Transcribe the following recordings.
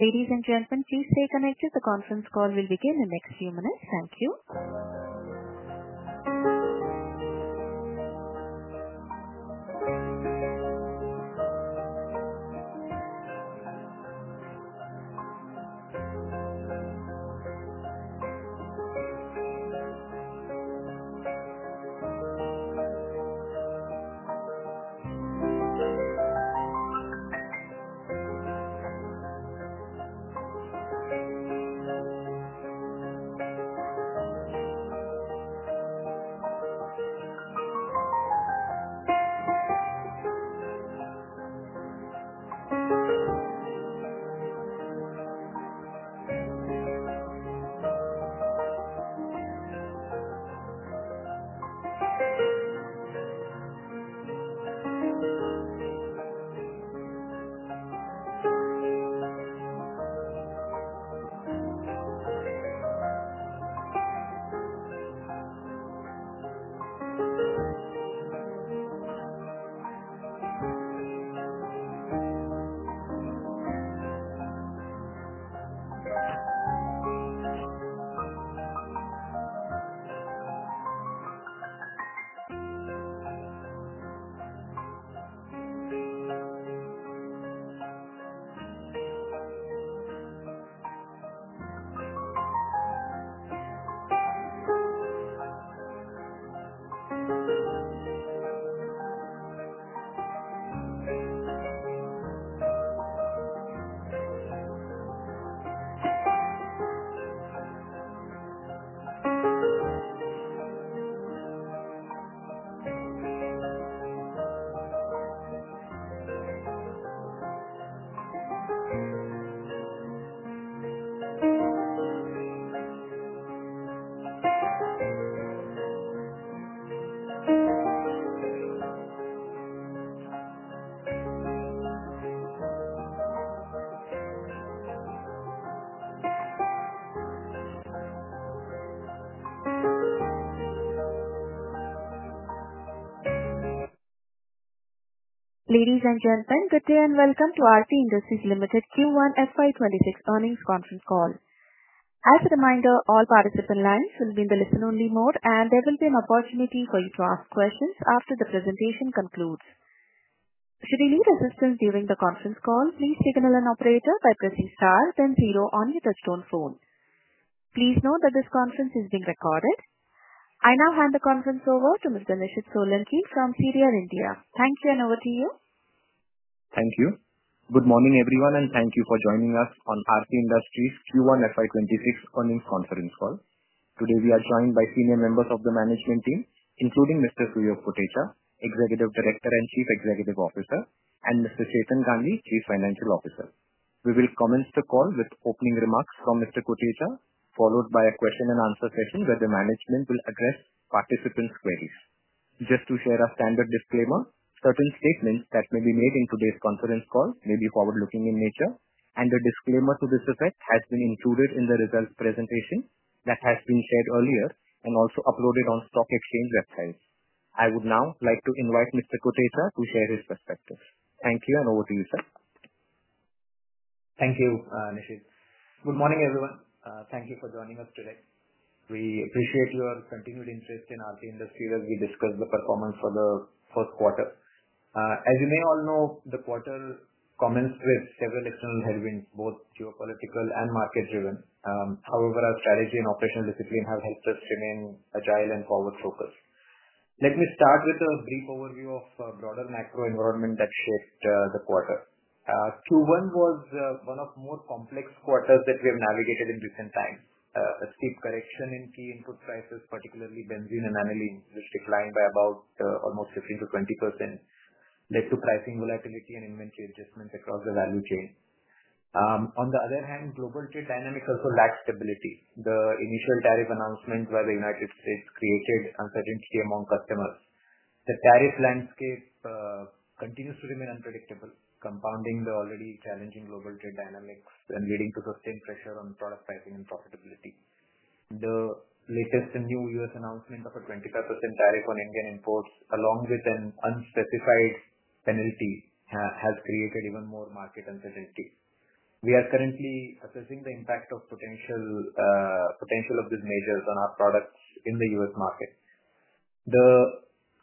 Ladies and gentlemen, please stay connected. The conference call will begin in a few moments. Thank you. Ladies and gentlemen, good day and welcome to Aarti Industries Limited Q1 FY26 Earnings Conference Call. As a reminder, all participant lines will be in the listen-only mode, and there will be an opportunity for you to ask questions after the presentation concludes. Should you need assistance during the conference call, please signal an operator by pressing star, then zero on your touchtone phone. Please note that this conference is being recorded. I now hand the conference over to Mr. Nishid Solanki from CDR India. Thank you, and over to you. Thank you. Good morning, everyone, and thank you for joining us Aarti Industries Limited Q1 FY26 Earnings Conference Call. Today, we are joined by senior members of the management team, including Mr. Suyog Kotecha, Executive Director and Chief Executive Officer, and Mr. Chetan Gandhi, Chief Financial Officer. We will commence the call with opening remarks from Mr. Kotecha, followed by a question and answer session where the management will address participants' queries. Just to share a standard disclaimer, certain statements that may be made in today's conference call may be forward-looking in nature, and a disclaimer to this effect has been included in the results presentation that has been shared earlier and also uploaded on the stock exchange website. I would now like to invite Mr. Kotecha to share his perspective. Thank you, and over to you, sir. Thank you, Nishid. Good morning, everyone. Thank you for joining us today. We appreciate your continued interest in Aarti as we discuss the performance for the first quarter. As you may all know, the quarter commenced with several external headwinds, both geopolitical and market-driven. However, our strategy and operational discipline have helped us remain agile and forward-focused. Let me start with a brief overview of the broader macro environment that shaped the quarter. Q1 was one of the more complex quarters that we have navigated in recent times. A steep correction in key input prices, particularly Benzene and Aniline, which declined by about almost 15%-20%, led to pricing volatility and inventory adjustments across the value chain. On the other hand, global trade dynamics also lacked stability. The initial tariff announcement by the United States. created uncertainty among customers. The tariff landscape continues to remain unpredictable, compounding the already challenging global trade dynamics and leading to sustained pressure on product pricing and profitability. The latest and new U.S. announcement of a 25% tariff on Indian imports, along with an unspecified penalty, has created even more market uncertainty. We are currently assessing the impact of potential of these measures on our products in the U.S. market.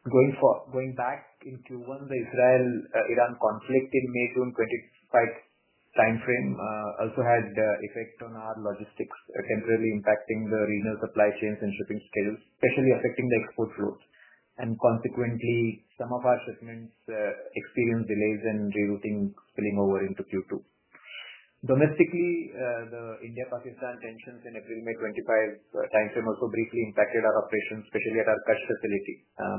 Going back in Q1, the Israel-Iran conflict in the May 2025 timeframe also had effects on our logistics, temporarily impacting the regional supply chains and shipping skills, especially affecting the export flows. Consequently, some of our shipments experienced delays in rerouting, spilling over into Q2. Domestically, the India-Pakistan tensions in the April-May 2025 timeframe also briefly impacted our operations, particularly at our cash facility.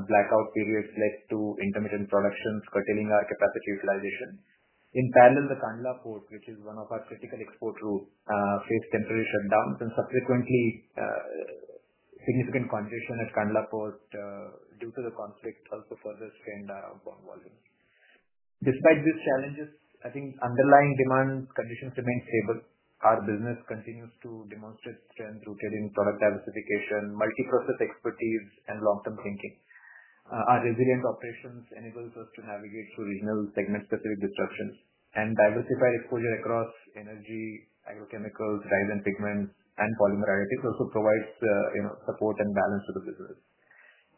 Blackout periods led to intermittent production, curtailing our capacity utilization. In tandem, the Kandla Port, which is one of our critical export routes, faced temporary shutdowns, and subsequently significant congestion at Kandla port due to the conflict also further strained our ongoing volume. Despite these challenges, I think underlying demand conditions remain stable. Our business continues to demonstrate strength rooted in product diversification, multi-process expertise, and long-term thinking. Our resilient operations enable us to navigate through regional segment-specific disruptions. Diversified exposure across energy, agrochemicals, rice and pigments, and polymer additives also provides support and balance to the business.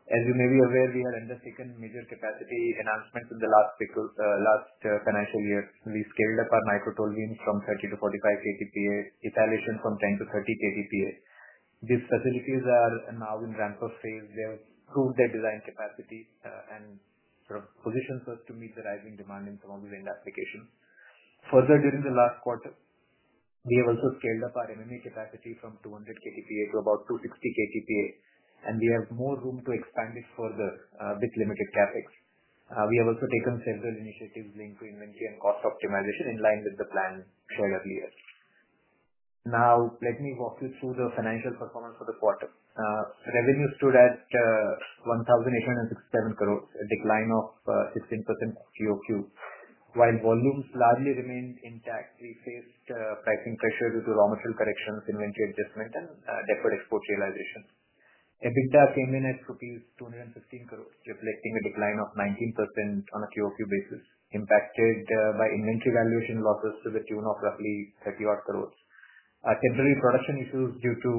As you may be aware, we had undertaken major capacity announcements in the last financial year. We scaled up our microtolerance from 30-45 KTPA, Ethylation from 10-30 KTPA. These facilities are now in ramp-up phase. They've proved their design capacity and sort of position us to meet the rising demand in some of these applications. Further, during the last quarter, we have also scaled up our MMA capacity from 200 KTPA to about 260 KTPA, and we have more room to expand it further with limited CapEx. We have also taken several initiatives linked to inventory and cost optimization in line with the plans for another year. Now, let me walk you through the financial performance for the quarter. Revenue stood at 1,867 crore, a decline of 15% QoQ. While volumes largely remained intact, we faced pricing pressure due to raw material corrections, inventory adjustments, and deferred export realizations. EBITDA came in at rupees 215 crore, reflecting a decline of 19% on a QoQ basis, impacted by inventory valuation losses to the tune of roughly 30 crore. Our temporary production issues due to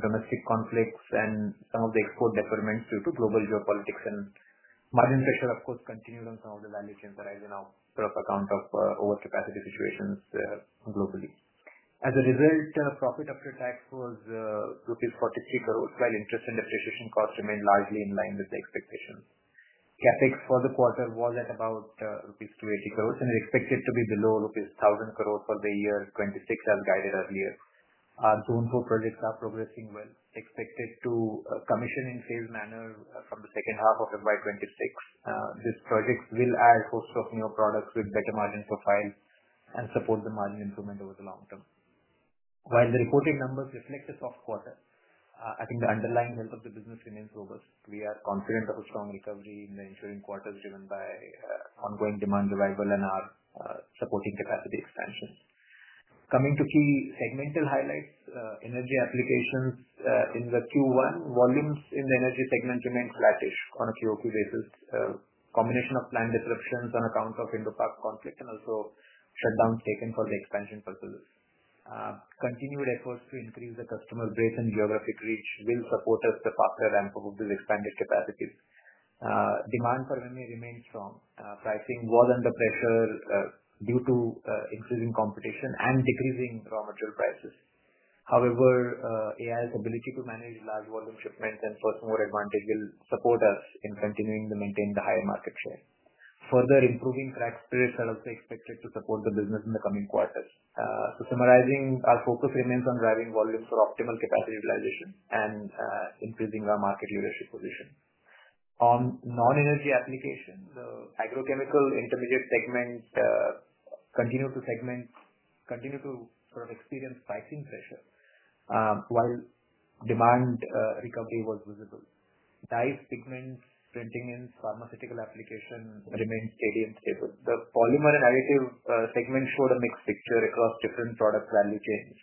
domestic conflicts and some of the export deferments due to global geopolitics and the margin sector, of course, continued on some of the value chains that are in our current account of overcapacity situations globally. As a result, profit after tax was rupees 43 crore, while interest and depreciation costs remain largely in line with the expectations. CapEx for the quarter was at about rupees 280 crores, and it's expected to be below rupees 1,000 crores for the year 2026, as guided earlier. Our Zone IV projects are progressing well, expected to commission in a fair manner from the second half of FY2026. These projects will add hosts of new products with better margin profiles and support the margin improvement over the long term. While the reporting numbers reflect this off quarter, I think the underlying health of the business remains robust. We are confident of a strong recovery in the ensuing quarters driven by ongoing demand revival and our supporting capacity expansion. Coming to key segmental highlights, energy applications in Q1, volumes in the energy segment remain flat on a QoQ basis. A combination of planned disruptions on account of Indo-Pak conflict and also shutdowns taken for the expansion purposes. Continued efforts to increase the customer base and geographic reach will support us to pump the ramp-up of these expanded capacities. Demand for revenue remains strong. Pricing was under pressure due to increasing competition and decreasing raw material prices. However, AIL ability to manage large volume shipments and for more advantage will support us in continuing to maintain the higher market share. Further improving frac space are also expected to support the business in the coming quarters. Summarizing, our focus remains on driving volumes for optimal capacity utilization and increasing our market leadership position. On non-energy application, the agrochemical intermediates segment continued to experience pricing pressure, while demand recovery was visible. Types, pigments, printings, and pharmaceutical applications remain steady and stable. The polymer and additive segment showed a mixed picture across different product value chains.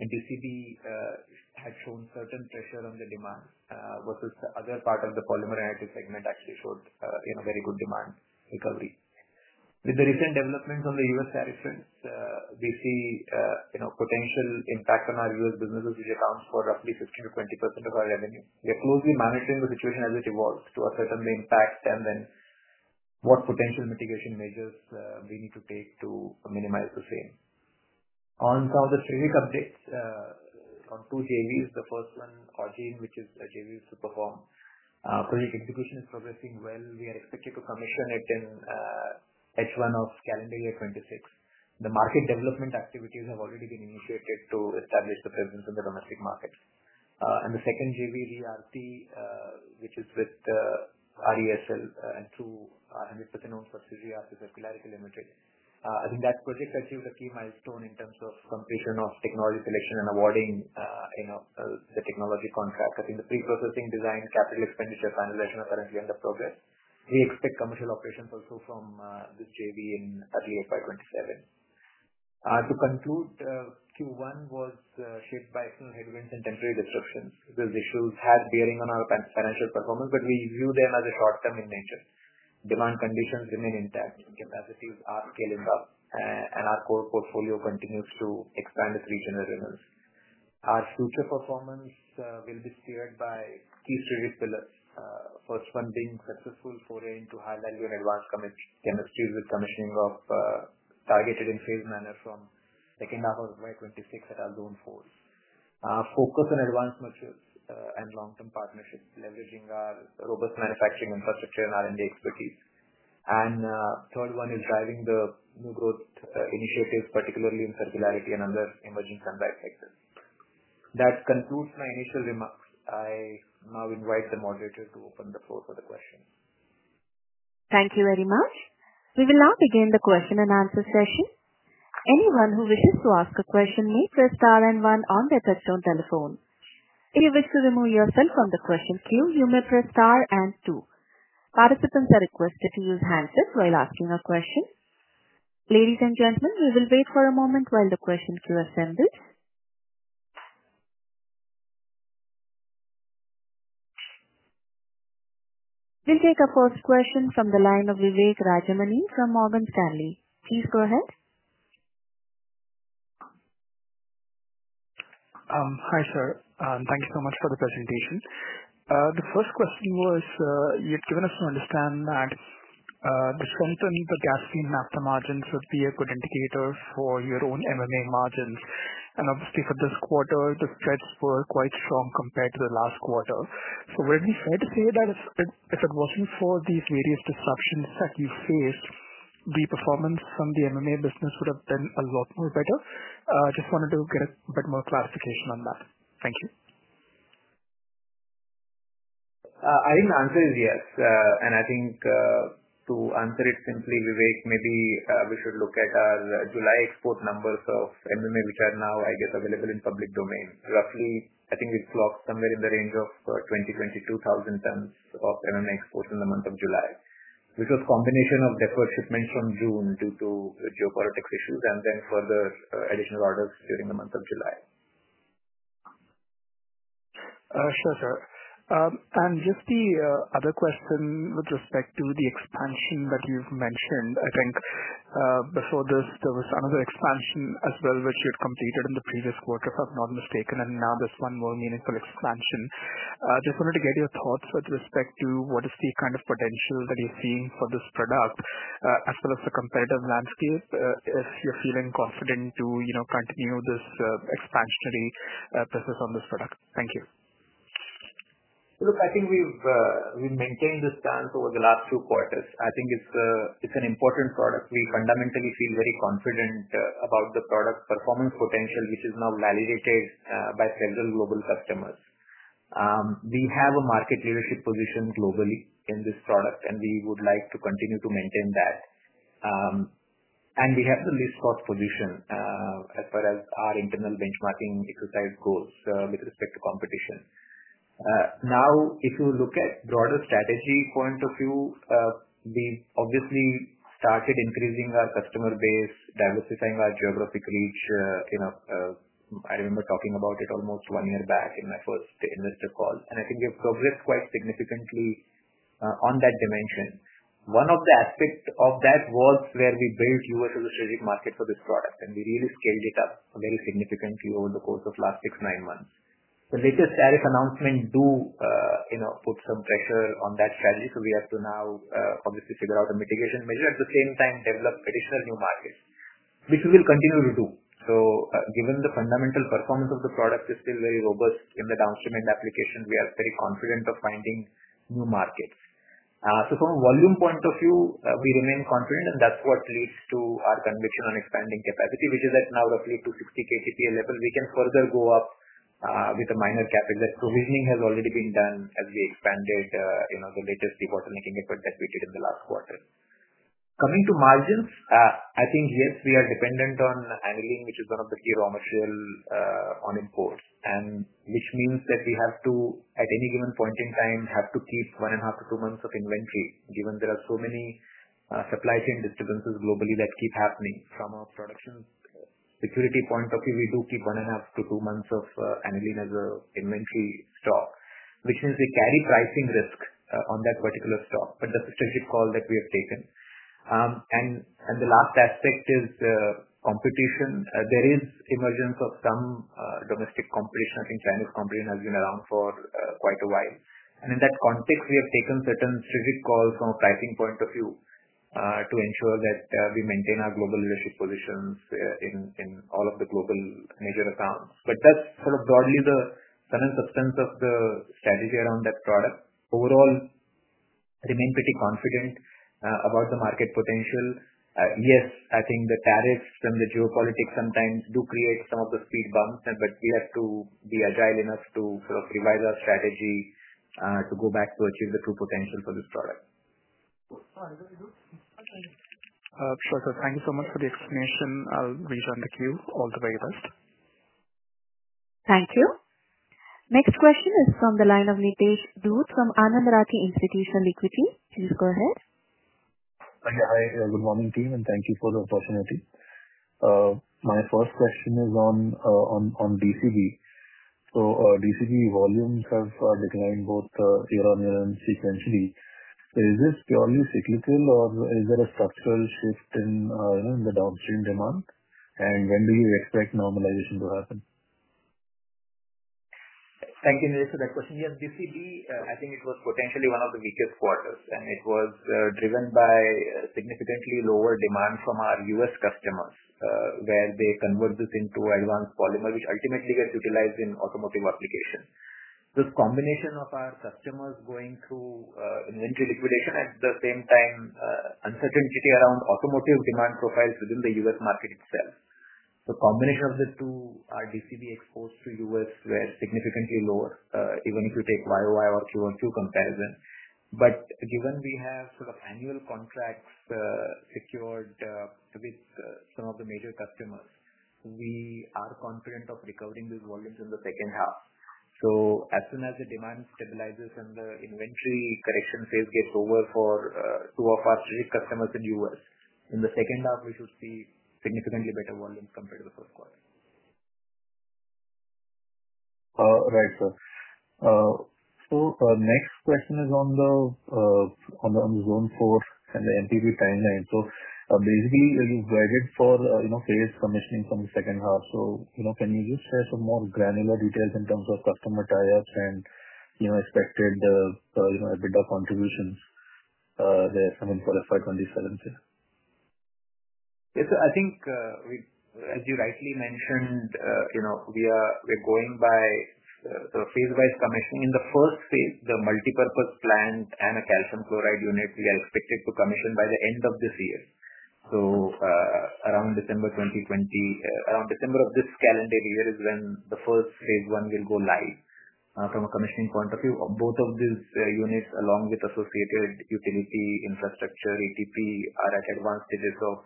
DCB had shown certain pressure on the demand versus the other part of the polymer additive segment actually showed a very good demand recovery. With the recent developments on the U.S. tariffs, we see potential impacts on our U.S. businesses, which account for roughly 15%-20% of our revenue. We are closely monitoring the situation as it evolves to assess the impacts and then what potential mitigation measures we need to take to minimize the same. On some of the training updates on two JVs, the first one, Augene, which is a JV Superform. Project execution is progressing well. We are expected to commission it in H1 of calendar year 2026. The market development activities have already been initiated to establish the presence in the domestic markets. The second JV, GRC, which is with RESL and through 100% owned subsidiary of the Circularity Limited, has achieved a key milestone in terms of completion of technology selection and awarding the technology consultant in the pre-processing design. Capital expenditure finalizing is currently under progress. We expect commercial operations also from this JV in early FY2027. To conclude, Q1 was shaped by some headwinds and temporary disruptions. These issues had bearing on our financial performance, but we view them as short-term in nature. Demand conditions remain intact. Capacities are scaling up, and our core portfolio continues to expand with regional revenues. Our future performance will be steered by key strategic pillars. The first one being successful foray into high-value and advanced chemistries with commissioning of targeted in a fair manner from the second half of FY2026 at our Zone IV. Our focus is on advanced materials and long-term partnerships, leveraging our robust manufacturing infrastructure and R&D expertise. The third one is driving the new growth initiatives, particularly in circularity and other emerging sunrise sectors. That concludes my initial remarks. I now invite the moderator to open the floor for the questions. Thank you very much. We will now begin the question and answer session. Anyone who wishes to ask a question may press star and one on their touchtone telephone. If you wish to remove yourself from the question queue, you may press star and two. Participants are requested to use handsets while asking a question. Ladies and gentlemen, we will wait for a moment while the question queue assembles. We'll take our first question from the line of Vivek Rajamani from Morgan Stanley. Please go ahead. Hi, sir. Thank you so much for the presentation. The first question was, you've given us to understand that the strong turnover gap seen in asset margins would be a good indicator for your own MMA margins. Obviously, for this quarter, the spreads were quite strong compared to the last quarter. Were you hesitant that if it wasn't for these various disruptions that you faced, the performance from the MMA business would have been a lot more better? I just wanted to get a bit more clarification on that. Thank you. I think the answer is yes. I think to answer it simply, Vivek, maybe we should look at our July export numbers of MMA, which are now, I guess, available in public domain. Roughly, I think it's locked somewhere in the range of 20,000-22,000 tons of MMA exports in the month of July. This was a combination of deferred equipment from June due to geopolitics issues and then further additional orders during the month of July. Sure, sir. Just the other question with respect to the expansion that you've mentioned. I think before this, there was another expansion as well, which you had completed in the previous quarter, if I'm not mistaken, and now this one more meaningful expansion. I just wanted to get your thoughts with respect to what is the kind of potential that you're seeing for this product, as well as the competitive landscape, if you're feeling confident to continue this expansionary process on this product. Thank you. I think we've maintained this stance over the last two quarters. I think it's an important product. We fundamentally feel very confident about the product performance potential, which is now validated by friends and global customers. We have a market leadership position globally in this product, and we would like to continue to maintain that. We have the least cost position as far as our internal benchmarking exercise goes with respect to competition. If you look at a broader strategy point of view, we've obviously started increasing our customer base, diversifying our geographic reach. I remember talking about it almost one year back in my first investor call, and I think we've progressed quite significantly on that dimension. One of the aspects of that was where we built U.S. as a strategic market for this product, and we really scaled it up very significantly over the course of the last six, nine months. The latest tariff announcement does put some pressure on that strategy, so we have to now figure out a mitigation measure. At the same time, develop additional new markets, which we will continue to do. Given the fundamental performance of the product is still very robust in the downstream and application, we are very confident of finding new markets. From a volume point of view, we remain confident, and that's what leads to our conviction on expanding capacity, which is at now roughly 250 KTPA level. We can further go up with a minor CapEx. That provisioning has already been done as we expanded the latest deep bottlenecking effort that we did in the last quarter. Coming to margins, I think, yes, we are dependent on aniline, which is one of the key raw materials on imports, and which means that we have to, at any given point in time, have to keep one and a half to two months of inventory given there are so many supply chain disturbances globally that keep happening. From a production security point of view, we do keep one and a half to two months of aniline as an inventory stock, which means we carry pricing risk on that particular stock, but that's a strategic call that we have taken. The last aspect is the competition. There is emergence of some domestic competition. I think China's competition has been around for quite a while. In that context, we have taken certain strategic calls from a pricing point of view to ensure that we maintain our global leadership positions in all of the global major accounts. That's sort of broadly the sense of the strategy around that product. Overall, I remain pretty confident about the market potential. I think the tariffs and the geopolitics sometimes do create some of the speed bumps, but we have to be agile enough to revise our strategy to go back to achieve the true potential for this product. Thank you so much for the explanation. I'll resend the queue all the way with us. Thank you. Next question is from the line of Nitesh Dhoot from Anand Rathi Institutional Equities. Please go ahead. Hi. Good morning, team, and thank you for the opportunity. My first question is on DCB. DCB volumes have declined both year-on-year and sequentially. Is this purely cyclical, or is there a structural shift in the downstream demand? When do you expect normalization to happen? Thank you, Nitesh, for that question. Yes, DCB, I think it was potentially one of the weakest quarters, and it was driven by significantly lower demand from our U.S. customers where they convert this into advanced polymer, which ultimately gets utilized in automotive applications. This combination of our customers going through inventory liquidation at the same time uncertainty around automotive demand profiles within the U.S. market itself. The combination of the two, our DCB exports to U.S. were significantly lower, even if you take YOY or Q2 comparison. Given we have sort of annual contracts secured with some of the major customers, we are confident of recovering these volumes in the second half. As soon as the demand stabilizes and the inventory correction phase gets over for two of our strategic customers in the U.S., in the second half, we should see significantly better volumes compared to the first quarter. Right, sir. The next question is on Zone IV and the MPP timeline. We've waited for cash commissioning from the second half. Can you just share some more granular details in terms of customer tiers and expected, you know, a bit of contribution there coming for FY2027? Yes, sir. I think we, as you rightly mentioned, we are going by the phase-wise commissioning. In the first phase, the multipurpose plant and a calcium chloride unit, we are expected to commission by the end of this year. Around December 2024, around December of this calendar year is when the first phase one will go live from a commissioning point of view. Both of these units, along with associated utility infrastructure, ETP, are at advanced stages of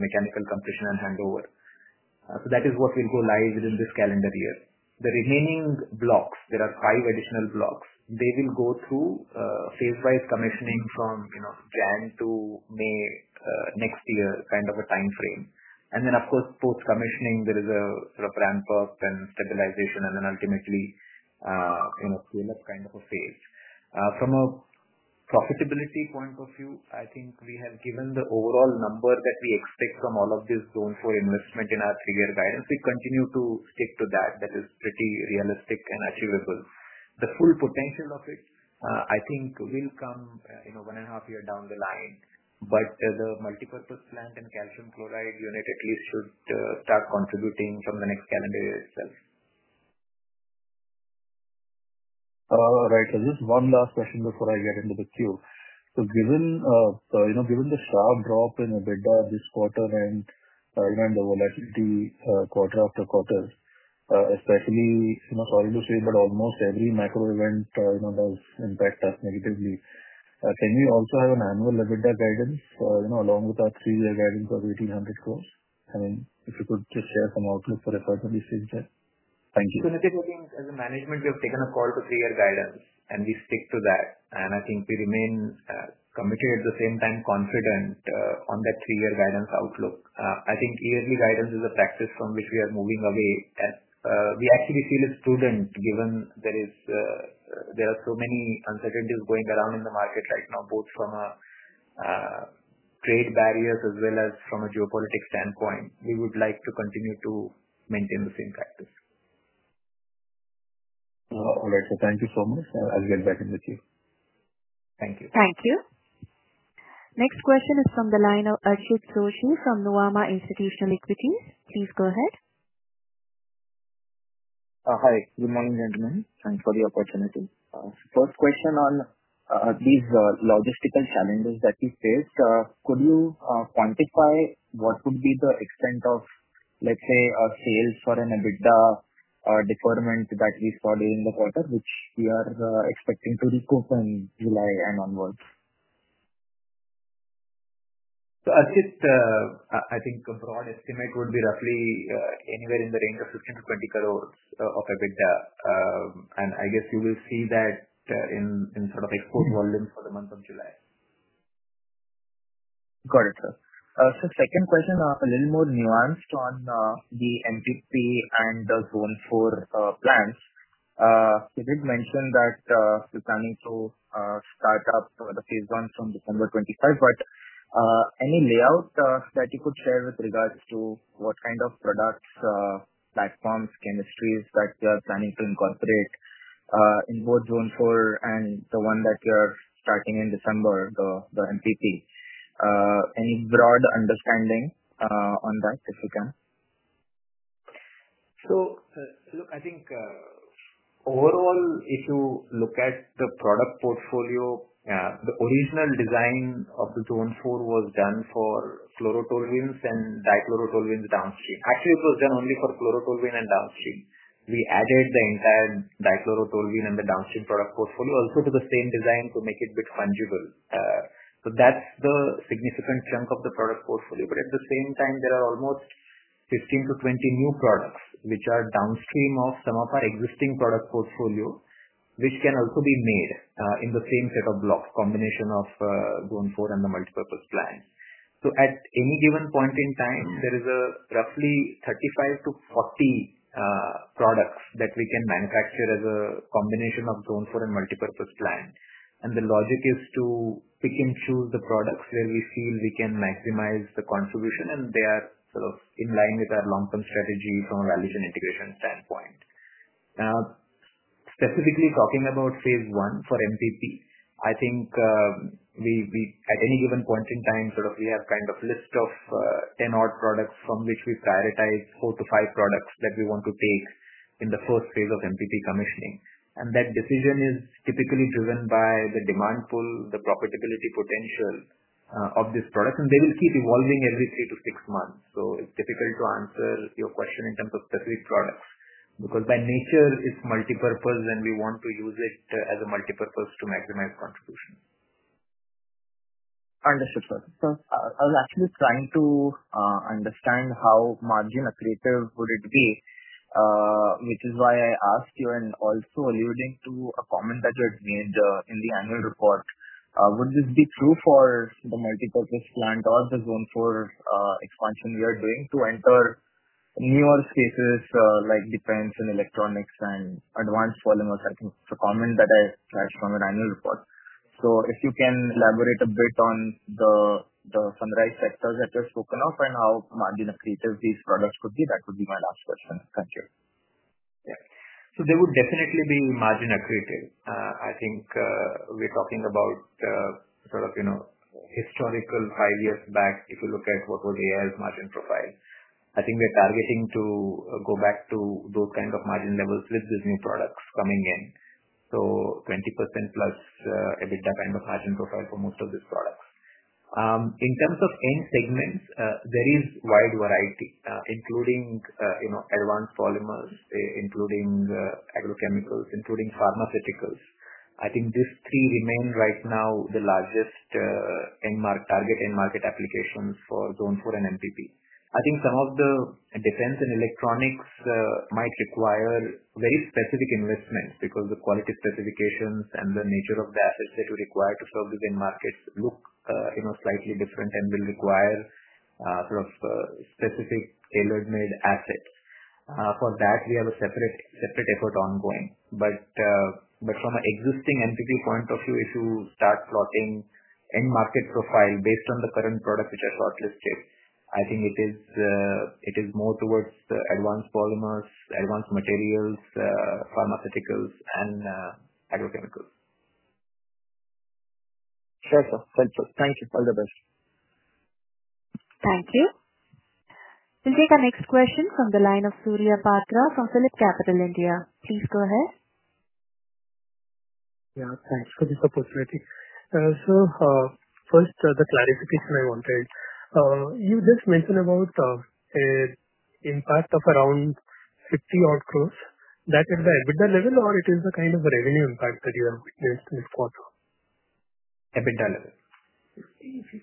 mechanical completion and handover. That is what will go live during this calendar year. The remaining blocks, there are five additional blocks. They will go through phase-wise commissioning from down to May next year, kind of a timeframe. Of course, post-commissioning, there is a sort of ramp-up and stabilization on an ultimately scale-up kind of a phase. From a profitability point of view, I think we have, given the overall number that we expect from all of this Zone IV investment in our three-year guidance, we continue to stick to that. That is pretty realistic and achievable. The full potential of it, I think, will come one and a half years down the line. The multipurpose plant and calcium chloride unit at least should start contributing from the next calendar year itself. Right. Just one last question before I get into the queue. Given the sharp drop in EBITDA this quarter and the volatility quarter after quarter, especially, for you to say, but almost every macro event does impact us negatively. Can you also have an annual EBITDA guidance along with our three-year guidance for 1,800 crore? If you could just share some outlook for FY2026, sir. Nitesh, looking as a management, we have taken a call for three-year guidance, and we stick to that. I think we remain committed at the same time confident on that three-year guidance outlook. I think ESG guidance is a practice from which we are moving away. We actually feel it's prudent given there are so many uncertainties going around in the market right now, both from trade barriers as well as from a geopolitics standpoint. We would like to continue to maintain the same practice. All right, thank you so much. I'll get back in with you. Thank you. Thank you. Next question is from the line of Archit Joshi from Nuvama Institutional Equities. Please go ahead. Hi. Good morning, gentlemen. Thanks for the opportunity. First question on these logistical challenges that we faced. Could you quantify what would be the extent of, let's say, our sales or EBITDA deferment that is following the quarter, which we are expecting to recoup in July and onward? I think a broad estimate would be roughly anywhere in the range of 15 crore-20 crore of EBITDA. I guess you will see that in sort of export volumes for the month of July. Got it, sir. Second question is a little more nuanced on the MPP and the Zone IV plans. You did mention that you're planning to start up the phase one from December 2025, but any layout that you could share with regards to what kind of products, platforms, chemistries that you are planning to incorporate in both Zone IV and the one that you are starting in December, the MPP? Any broad understanding on that, if you can? I think overall, if you look at the product portfolio, the original design of Zone IV was done for fluorotoluenes and dichlorotoluenes downstream. Actually, it was done only for fluorotoluene and downstream. We added the entire dichlorotoluene and the downstream product portfolio also to the same design to make it a bit fungible. That's the significant chunk of the product portfolio. At the same time, there are almost 15-20 new products, which are downstream of some of our existing product portfolio, which can also be made in the same set of blocks, a combination of Zone IV and the multipurpose plant. At any given point in time, there are roughly 35-40 products that we can manufacture as a combination of Zone IV and multipurpose plant. The logic is to pick and choose the products where we feel we can maximize the contribution, and they are sort of in line with our long-term strategy from a value and integration standpoint. Now, specifically talking about phase I for MPP, at any given point in time, we have kind of a list of 10-odd products from which we prioritize four to five products that we want to take in the first phase of MPP commissioning. That decision is typically driven by the demand pull, the profitability potential of these products. They will keep evolving every three to six months. It's difficult to answer your question in terms of specific products because by nature, it's multipurpose, and we want to use it as a multipurpose to maximize contribution. Understood, sir. I was actually trying to understand how margin accretive would it be, which is why I asked you and also alluding to a comment that you had made in the annual report. Would this be true for the multipurpose plant or the Zone IV expansion we are doing to anchor newer spaces like defense and electronics and advanced polymers? I think it's a comment that I saw in an annual report. If you can elaborate a bit on the fundraiser sectors that you've spoken of and how margin accretive these products could be, that would be my last question. Thank you. Yeah. They would definitely be margin accretive. I think we're talking about, you know, historical five years back. If you look at what was AIL's margin profile, I think we're targeting to go back to those kinds of margin levels with these new products coming in. 20%+ EBITDA kind of margin profile for most of these products. In terms of end segments, there is a wide variety, including, you know, advanced polymers, including agrochemicals, including pharmaceuticals. These three remain right now the largest end-market target and market applications for Zone IV and MPP. Some of the defense and electronics might require very specific investments because the quality specifications and the nature of the assets that you require to serve these end markets look, you know, slightly different and will require specific tailor-made assets. For that, we have a separate effort ongoing. From an existing MPP point of view, if you start plotting end-market profile based on the current products which are shortlisted, it is more towards the advanced polymers, advanced materials, pharmaceuticals, and agrochemicals. Sure, sir. Thank you. All the best. Thank you. We'll take our next question from the line of Surya Patra from PhillipCapital India. Please go ahead. Thank you for this opportunity. First, the clarification I wanted. You just mentioned about an impact of around 50 crore. Is that at the EBITDA level, or is it the kind of revenue impact that you anticipate? EBITDA level. If you...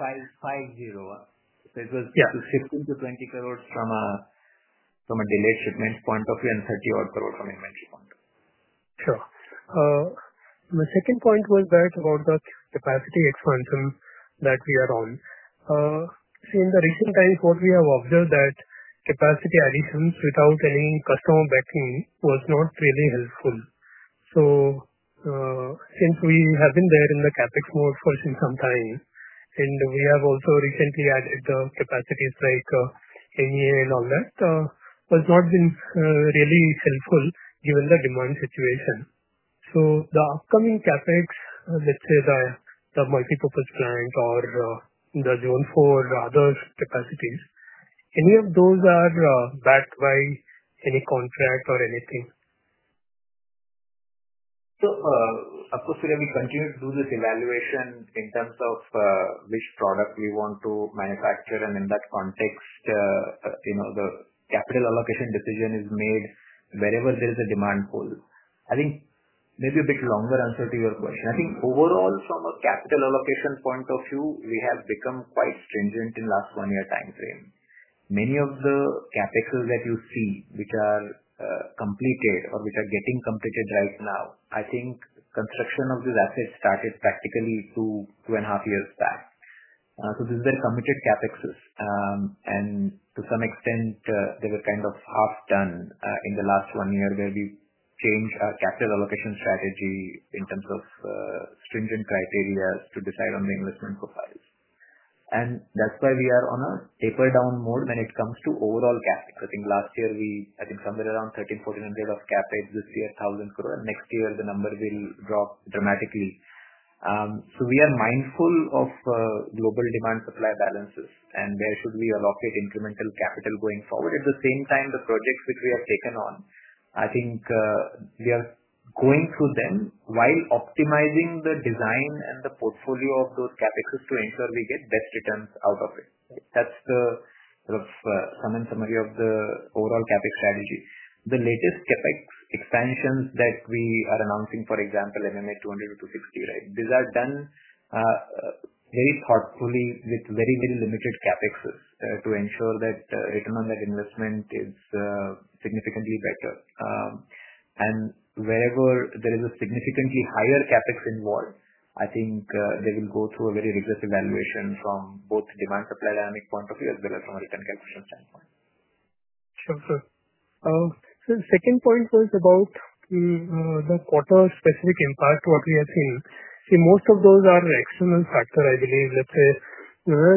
Five, five zero. This was 15 crore-20 crore from a delayed shipment point of view and 30-odd crore from an inventory point of view. Sure. My second point was about the capacity expansion that we are on. In recent times, what we have observed is that capacity additions without any customer backing was not really helpful. Since we have been there in the CapEx mode for some time, and we have also recently added the capacities like NEL and all that, it has not been really helpful given the demand situation. The upcoming CapEx, let's say the multipurpose plant or Zone IV or the other capacities, are any of those backed by any contract or anything? Of course, we continue to do this evaluation in terms of which product we want to manufacture. In that context, the capital allocation decision is made wherever there is a demand pull. Maybe a bit longer answer to your question. Overall, from a capital allocation point of view, we have become quite stringent in the last one-year timeframe. Many of the CapEx that you see, which are completed or which are getting completed right now, construction of these assets started practically two and a half years back. These are committed CapEx. To some extent, they were kind of half done in the last one year where we changed our capital allocation strategy in terms of stringent criteria to decide on the investment profiles. That is why we are on a taper-down mode when it comes to overall CapEx. Last year, we had somewhere around 1,300-1,400 of CapEx. This year, 1,000 crore. Next year, the number will drop dramatically. We are mindful of global demand-supply balances, and therefore, we allocate incremental capital going forward. At the same time, the projects which we have taken on, we are going through them while optimizing the design and the portfolio of those CapEx to ensure we get best returns out of it. That is the sort of sum and summary of the overall CapEx strategy. The latest CapEx expansions that we are announcing, for example, MMA 200-250, right? These are done very thoughtfully with very, very limited CapExes to ensure that the return on that investment is significantly better. Wherever there is a significantly higher CapEx involved, they will go through a very rigorous evaluation from both demand-supply dynamic point of view as well as from a return calculation standpoint. Sure, sir. The second point was about the quarter-specific impact of what we are seeing. Most of those are an external factor, I believe. Let's say, you know,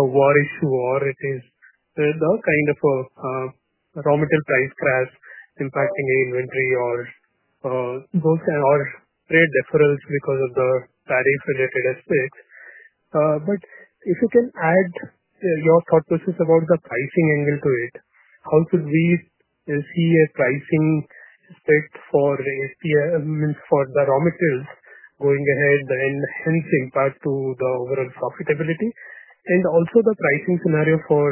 a war is war. It is the kind of a raw material price press impacting the inventory or those kind of trade deferrals because of the tariff-related aspects. If you can add your thought process about the pricing angle to it, how could we see a pricing aspect for the raw materials going ahead and its impact to the overall profitability and also the pricing scenario for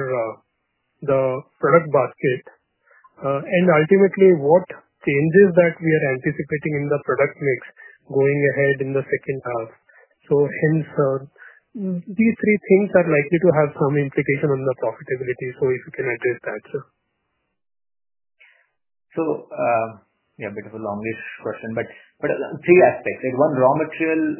the product basket? Ultimately, what changes that we are anticipating in the product mix going ahead in the second half? These three things are likely to have some implication on the profitability. If you can address that, sir. Yeah, a bit of a long-listed question, but three aspects. One, raw material,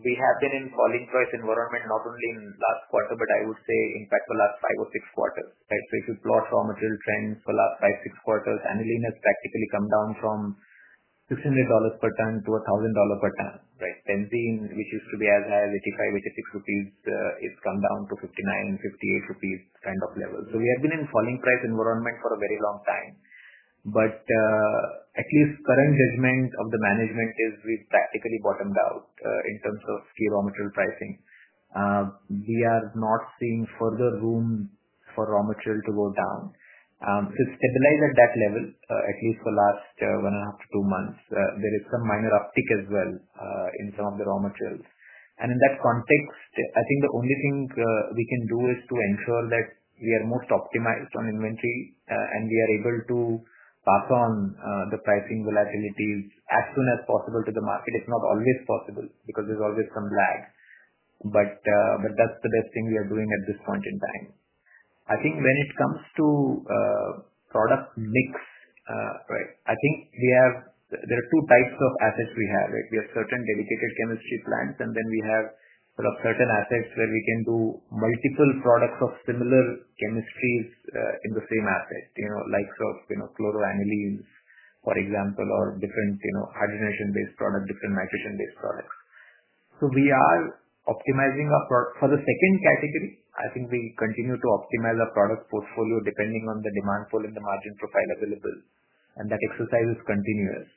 we have been in a falling price environment not only in the last quarter, but I would say in fact the last five or six quarters, right? If you plot raw material trends for the last five, six quarters, aniline has practically come down from $1,000 per ton to $600 per ton, right? Benzene, which used to be as high as 85-86 rupees, has come down to 59 rupees, 58 rupees kind of level. We have been in a falling price environment for a very long time. At least current judgment of the management is we've practically bottomed out in terms of key raw material pricing. We are not seeing further room for raw material to go down. It's stabilized at that level, at least for the last one and a half to two months. There is some minor uptick as well in some of the raw materials. In that context, I think the only thing we can do is to ensure that we are most optimized on inventory and we are able to tack on the pricing volatilities as soon as possible to the market. It's not always possible because there's always some lag. That's the best thing we are doing at this point in time. I think when it comes to product mix, there are two types of assets we have, right? We have certain dedicated chemistry plants, and then we have certain assets where we can do multiple products of similar chemistries in the same asset, like fluoro-anilines, for example, or different nitrogen-based products. We are optimizing our product. For the second category, I think we continue to optimize our product portfolio depending on the demand pull and the margin profile available. That exercise is continuous.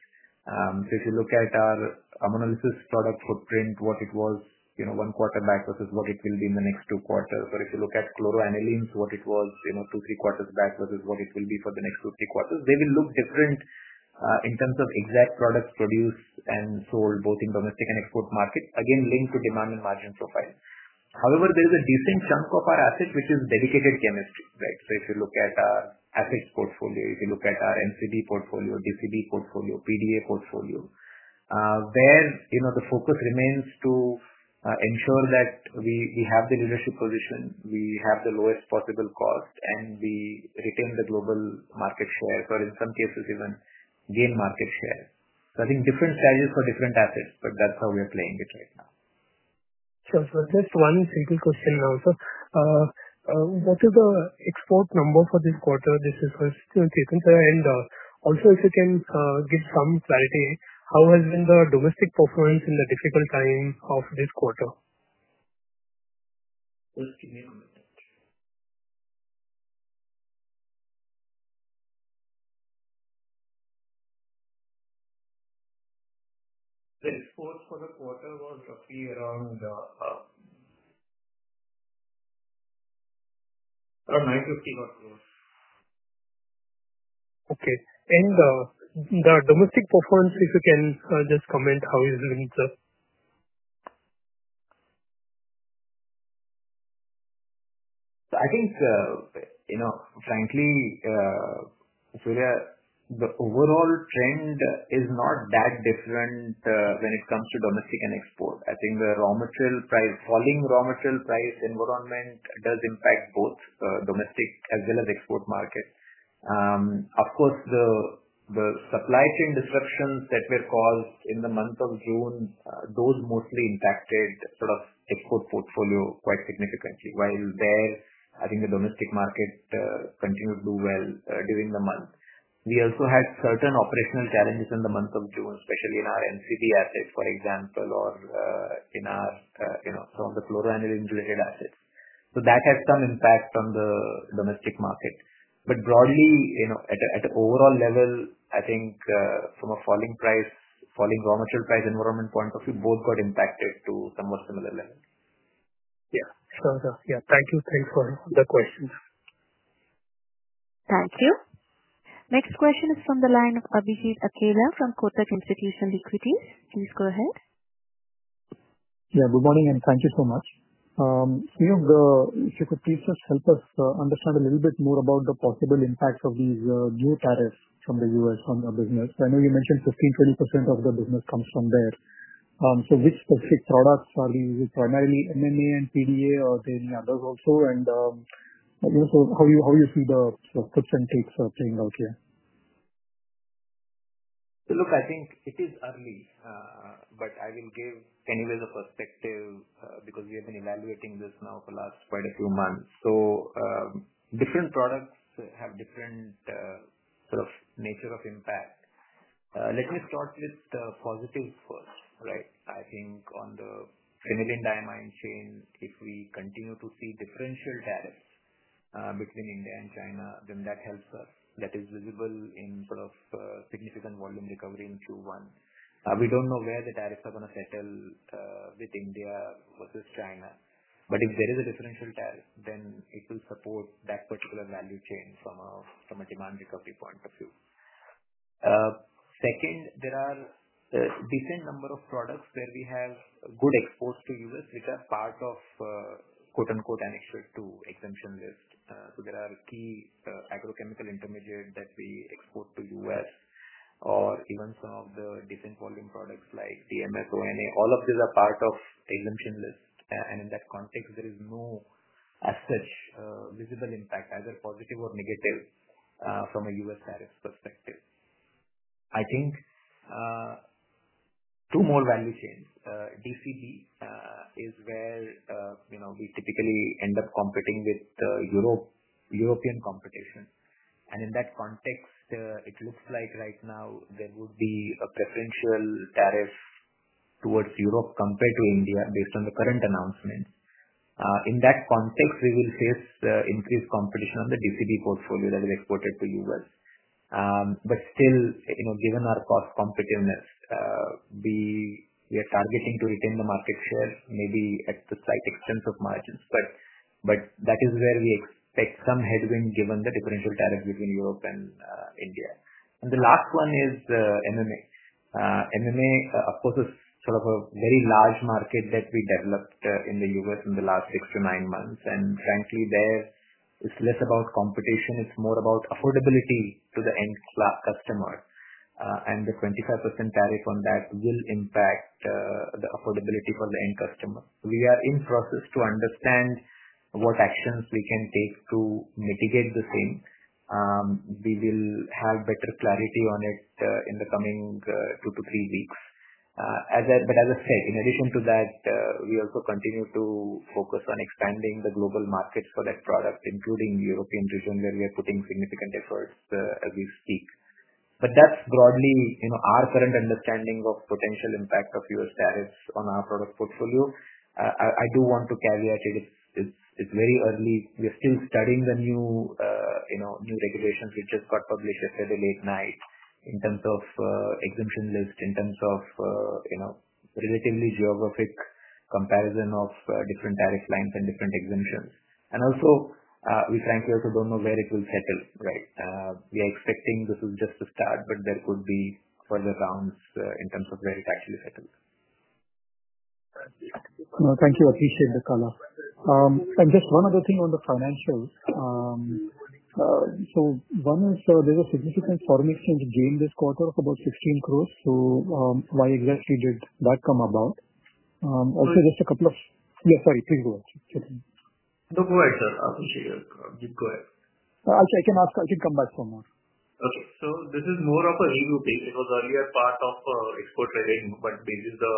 If you look at our ammonolysis product footprint, what it was one quarter back versus what it will be in the next two quarters, or if you look at fluoro-anilines, what it was two, three quarters back versus what it will be for the next two to three quarters, they will look different in terms of exact products produced and sold both in domestic and export markets, again linked to demand and margin profiles. However, there is a distinct chunk of our asset which is dedicated chemistry, right? If you look at our assets portfolio, if you look at our NCB portfolio, DCB portfolio, PDA portfolio, the focus remains to ensure that we have the leadership position, we have the lowest possible cost, and we retain the global market share or in some cases even gain market share. Different strategies for different assets, but that's how we are playing it right now. Sure, sure. Just one simple question now, sir. What is the export number for this quarter? This is for still taking care. Also, if you can give some clarity, how has been the domestic performance in the difficult times of this quarter? The exports for the quarter were roughly around INR 950 crore. Okay. If you can just comment how it's been, sir, the domestic performance. I think, you know, frankly, Surya, the overall trend is not that different when it comes to domestic and export. I think the raw material price, falling raw material price environment does impact both domestic as well as export markets. Of course, the supply chain disruptions that were caused in the month of June mostly impacted sort of export portfolio quite significantly. While there, I think the domestic market continued to do well during the month. We also had certain operational challenges in the month of June, especially in our NCB assets, for example, or in our, you know, some of the fluoro-aniline-related assets. That has some impact on the domestic market. Broadly, you know, at an overall level, I think from a falling price, falling raw material price environment point of view, both got impacted to somewhat similar levels. Yeah, thank you for the question. Thank you. Next question is from the line of Abhijit Akella from Kotak Institutional Equities. Please go ahead. Good morning, and thank you so much. Should the thesis help us understand a little bit more about the possible impacts of these new tariffs from the U.S. on the business? I know you mentioned 15%-20% of the business comes from there. Which specific products are we using primarily? MMA and PDA, or are there any others also? How do you see the sort of tips and tricks playing out here? Look, I think it is early, but I will give anyway the perspective because we have been evaluating this now for the last quite a few months. Different products have different sort of nature of impact. Let me start with the positive first, right? I think on the emailing diamine chain, if we continue to see differential tariffs between India and China, then that helps us. That is visible in significant volume recovery in Q1. We don't know where the tariffs are going to settle with India versus China. If there is a differential tariff, then it will support that particular value chain from a demand recovery point of view. There are a decent number of products where we have good exports to the U.S., which are part of "annexed to exemption list." There are key agrochemical intermediates that we export to the U.S. or even some of the different volume products like DMS, ONA, and all of these are part of exemption lists. In that context, there is no asset visible impact, either positive or negative, from a U.S. tariff perspective. Two more value chains. DCB is where we typically end up competing with the European competition. In that context, it looks like right now there would be a preferential tariff towards Europe compared to India based on the current announcement. In that context, we will face increased competition on the DCB portfolio that we've exported to the U.S. Given our cost competitiveness, we are targeting to retain the market share, maybe at the slight expense of margins. That is where we expect some headwind given the differential tariffs between Europe and India. The last one is MMA. MMA, of course, is a very large market that we developed in the U.S. in the last six to nine months. Frankly, there it's less about competition. It's more about affordability to the end customer. The 25% tariff on that will impact the affordability for the end customer. We are in the process to understand what actions we can take to mitigate the same. We will have better clarity on it in the coming two to three weeks. In addition to that, we also continue to focus on expanding the global markets for that product, including the European region where we are putting significant efforts against speed. That's broadly our current understanding of the potential impact of U.S. tariffs on our product portfolio. I do want to caveat it is it's very early. We are still studying the new regulations which just got published late at night in terms of exemption lists, in terms of relatively geographic comparison of different tariff lines and different exemptions. We frankly also don't know where it will settle, right? We are expecting this is just a start, but there could be further rounds in terms of where it actually settles. Thank you. I appreciate the callout. Just one other thing on the financials. There is a significant stormy change in the game this quarter of about 16 crore. Why exactly did that come about? Also, just a couple of, yeah, sorry, three quotes. No, go ahead, sir. I appreciate your call. Go ahead. I can ask. I can come back for more. Okay. This is more of a review piece. It was earlier part of export revenue, but this is the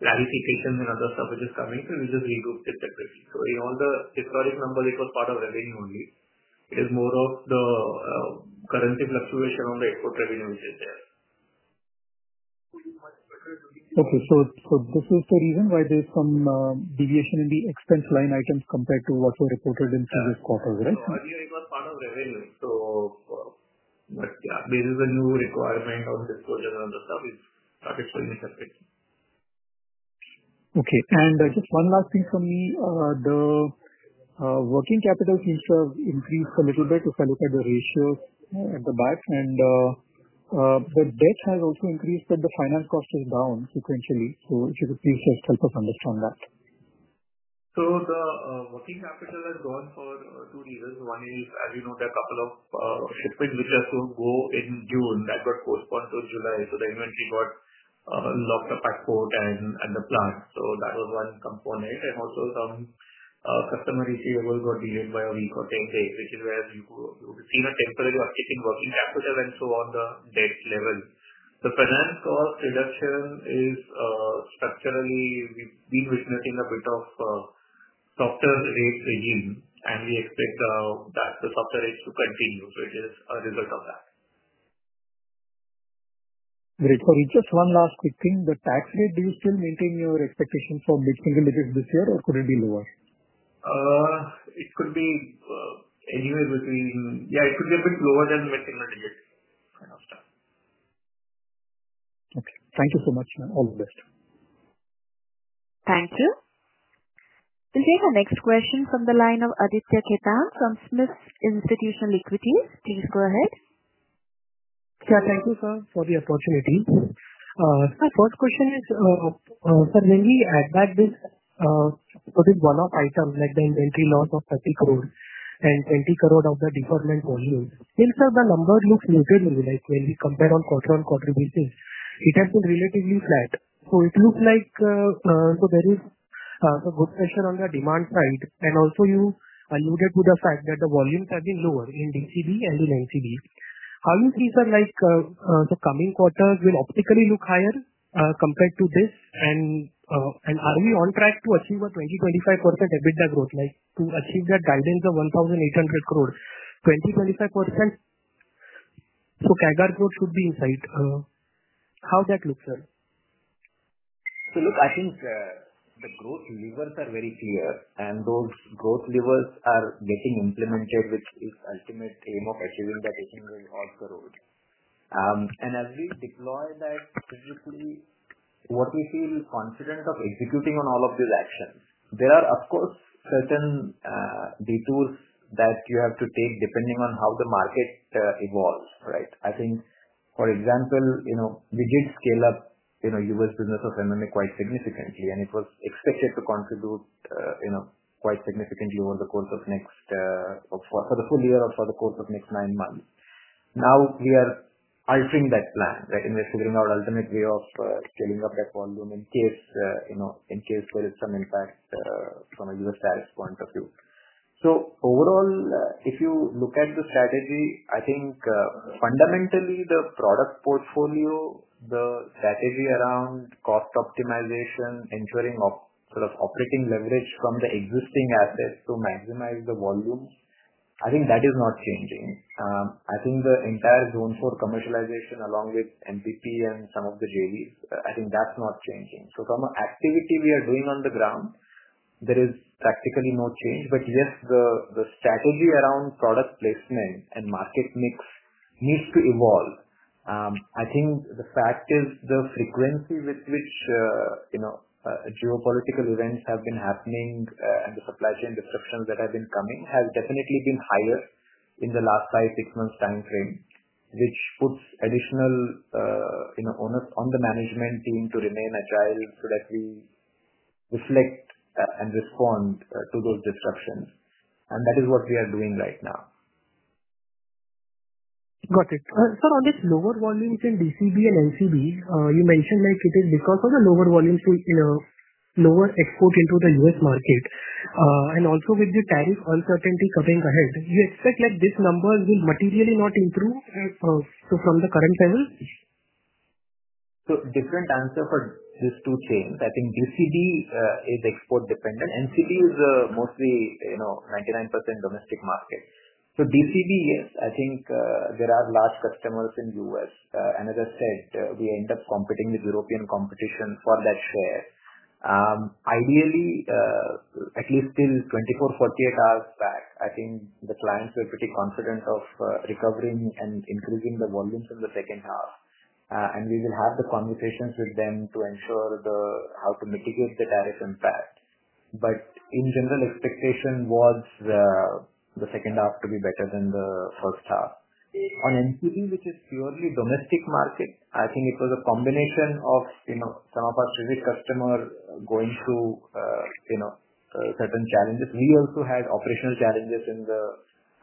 clarification and other stuff which is coming. This is just regrouped the purpose. In all the historic numbers, it was part of revenue only. It is more of the current fluctuation on the export revenue which is there. Okay. This is the reason why there's some deviation in the expense line items compared to what were reported in previous quarters, right? Previously, it was part of revenue. This is a new requirement of the disclosure and the service. Okay. Just one last thing from me. The working capital seems to have increased a little bit if I look at the ratio and the bias. The debt has also increased, and the finance cost is down sequentially. Is it a case that helps us understand that? The working capital has gone for two reasons. One is, as you know, there are a couple of shipments which are going to go in June. That corresponds to July. The inventory got locked up at port and the plus. That was one component. Also, some customer issues got deviated by a week or two days, which is where you could see that temporarily we're keeping working capital. On the debt level, the finance cost reduction is structurally we've been witnessing a bit of a softer rate regime, and we expect the softer rates to continue, which is a result of that. Great. Just one last quick thing. The tax rate, do you still maintain your expectations for mid-single digits this year, or could it be lower? It could be anywhere between, yeah, it could be a bit lower than mid-single digits. Okay, thank you so much, and all the best. Thank you. We'll take our next question from the line of Aditya Khetan from SMIFS Institutional Equities. Please go ahead. Thank you, sir, for the opportunity. My first question is, sir, when we add that this sort of one-off item like the inventory loss of 30 crore and 20 crore of the deferment volume, still, sir, the number looks muted in the list when we compare on quarter on quarter. We think it has been relatively flat. It looks like there is a good pressure on the demand side. You alluded to the fact that the volumes have been lower in DCB and in NCB. How do you see, sir, the coming quarters will optically look higher compared to this? Are we on track to achieve a 20%-25% EBITDA growth, like to achieve that guidance of 1,800 crore? 20%-25%. CAGR growth should be in sight. How that looks, sir? I think the growth levers are very clear, and those growth levers are getting implemented, which is the ultimate aim of achieving the taking of the road. As we deploy that, typically, we feel confident of executing on all of these assets. There are, of course, certain detours that you have to take depending on how the market evolves, right? For example, we did scale up the U.S. business of MMA quite significantly, and it was expected to contribute quite significantly over the course of the next, for the full year or for the course of the next nine months. Now we are altering that plan, investing in our alternate way of scaling up that volume in case there is some impact from a U.S. tariffs point of view. Overall, if you look at the strategy, fundamentally the product portfolio, the strategy around cost optimization, ensuring sort of operating leverage from the existing assets to maximize the volumes, that is not changing. The entire Zone IV commercialization along with the multipurpose plant and some of the JVs, that's not changing. From an activity we are doing on the ground, there is practically no change. Yes, the strategy around product placement and market mix needs to evolve. The fact is the frequency with which geopolitical events have been happening and the supply chain disruptions that have been coming has definitely been higher in the last five, six months timeframe, which puts additional onus on the management team to remain agile so that we reflect and respond to those disruptions. That is what we are doing right now. Got it. Sir, on this lower volume in DCB and NCB, you mentioned it is because of the lower volume to lower export into the U.S. market. Also, with the tariff uncertainty coming ahead, do you expect that this number will materially not improve from the current level? Different answer for these two things. I think DCB is export-dependent. NCB is mostly, you know, 99% domestic market. DCB, yes, I think there are large customers in the U.S. As I said, we end up competing with European competition for that share. Ideally, at least till 24-48 hours back, I think the clients were pretty confident of recovering and improving the volumes of the second half. We will have the conversations with them to ensure how to mitigate the tariff impact. In general, expectation was the second half to be better than the first half. On NCB, which is purely a domestic market, I think it was a combination of, you know, some of our physics customers going through, you know, certain challenges. We also had operational challenges in the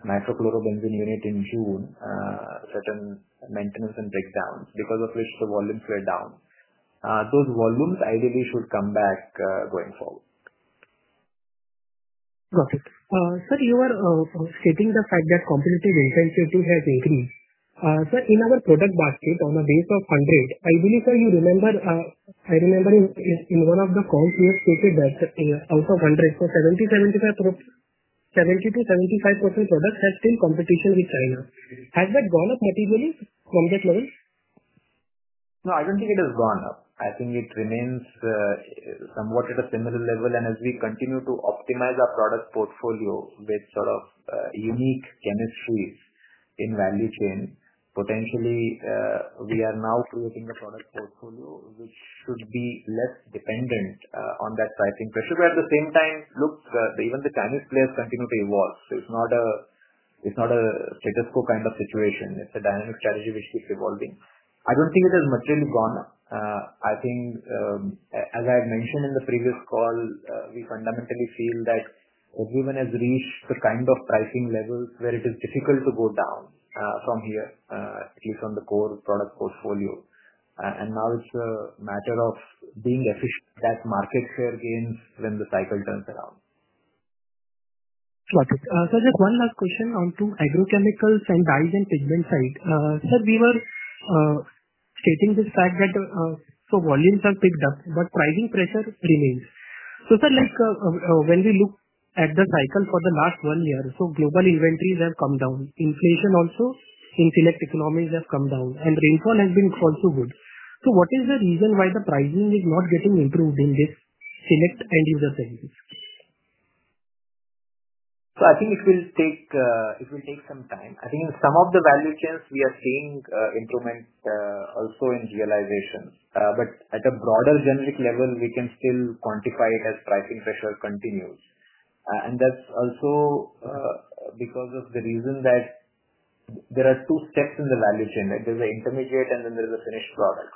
nitrochlorobenzene unit in June, certain maintenance and takedowns because of which the volumes slowed down. Those volumes ideally should come back going forward. Got it. Sir, you were stating the fact that competitive intensity has increased. In our product basket on a base of 100, I believe, sir, you remember, I remember in one of the forms we have stated that out of 100, 70%-75% products have still competition with China. Has that gone up materially from that level? No, I don't think it has gone up. I think it remains somewhat at a similar level. As we continue to optimize our product portfolio with sort of unique chemistries in the value chain, potentially, we are now creating a product portfolio which should be less dependent on that pricing pressure. At the same time, even the Chinese players continue to evolve. It's not a status quo kind of situation. It's a dynamic strategy which keeps evolving. I don't think it has materially gone up. As I had mentioned in the previous call, we fundamentally feel that everyone has reached the kind of pricing levels where it is difficult to go down from here, at least on the core product portfolio. Now it's a matter of being efficient that market share gains when the cycle turns around. Got it. Sir, just one last question onto agrochemicals and dyes and pigment side. Sir, we were stating this fact that volumes have picked up, but pricing pressure remains. When we look at the cycle for the last one year, global inventories have come down. Inflation also, in select economies, has come down. Rainfall has been also good. What is the reason why the pricing is not getting improved in these select end-user segments? I think it will take some time. I think in some of the value chains, we are seeing improvements also in geolization. At a broader generic level, we can still quantify it as pricing pressure continues. That's also because of the reason that there are two steps in the value chain, right? There's an intermediate, and then there's a finished product.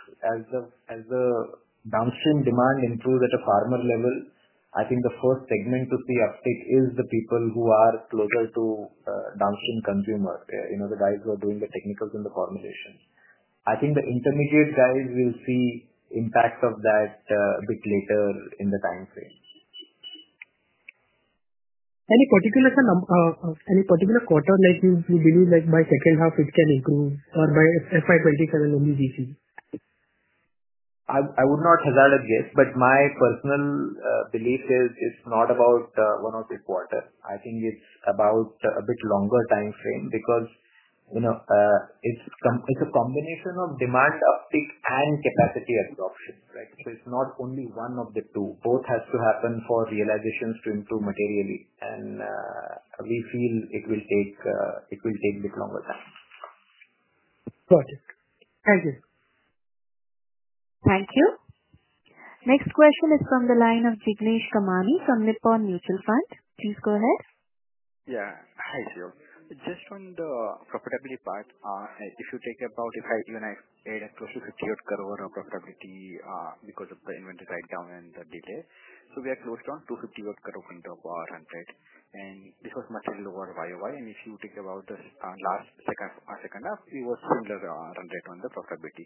As the downstream demand improves at a farmer level, I think the first segment to see uptake is the people who are closer to downstream consumer, you know, the guys who are doing the technicals and the formulations. I think the intermediate guys will see impacts of that a bit later in the timeframe. Any particular quarter you believe, like by second half it can improve or by FY2027 only DCB? I would not hazard a guess, but my personal belief is it's not about one or two quarters. I think it's about a bit longer timeframe because it's a combination of demand uptake and capacity absorption, right? It's not only one of the two. Both have to happen for realizations to improve materially. We feel it will take a bit longer time. Got it. Thank you. Thank you. Next question is from the line of Jignesh Kamani from Nippon Mutual Fund. Please go ahead. Yeah. Just on the profitability part, if you think about it, if I added close to 50 crore of profitability because of the inventory breakdown and the delay, we are close to 250 crore on the R&D. This was much lower YoY. If you take about the last second half, it was similar R&D on the profitability.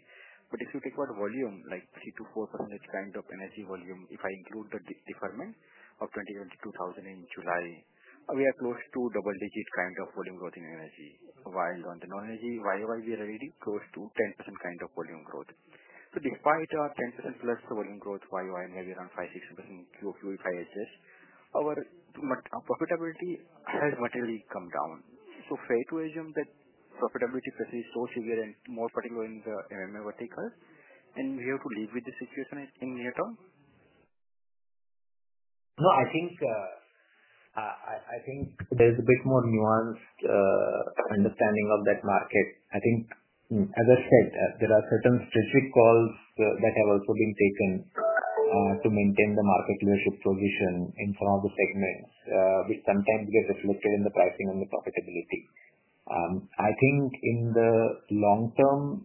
If you take about volume, like 3%-4% kind of energy volume, if I include the deferment of 20,000, 22,000 in July, we are close to double digits kind of volume growth in energy. While on the non-energy YoY, we are already close to 10% kind of volume growth. Despite our 10% plus volume growth YoY and have around 5%-6% to fuel 5HS, our profitability has materially come down. Is it fair to assume that profitability proceeds so severe and more particular in the MMA vertical, and we have to live with this situation in the end? No, I think there's a bit more nuanced understanding of that market. As I said, there are certain strategic calls that have also been taken to maintain the market leadership position in some of the segments. This sometimes gets reflected in the pricing on the profitability. In the long term,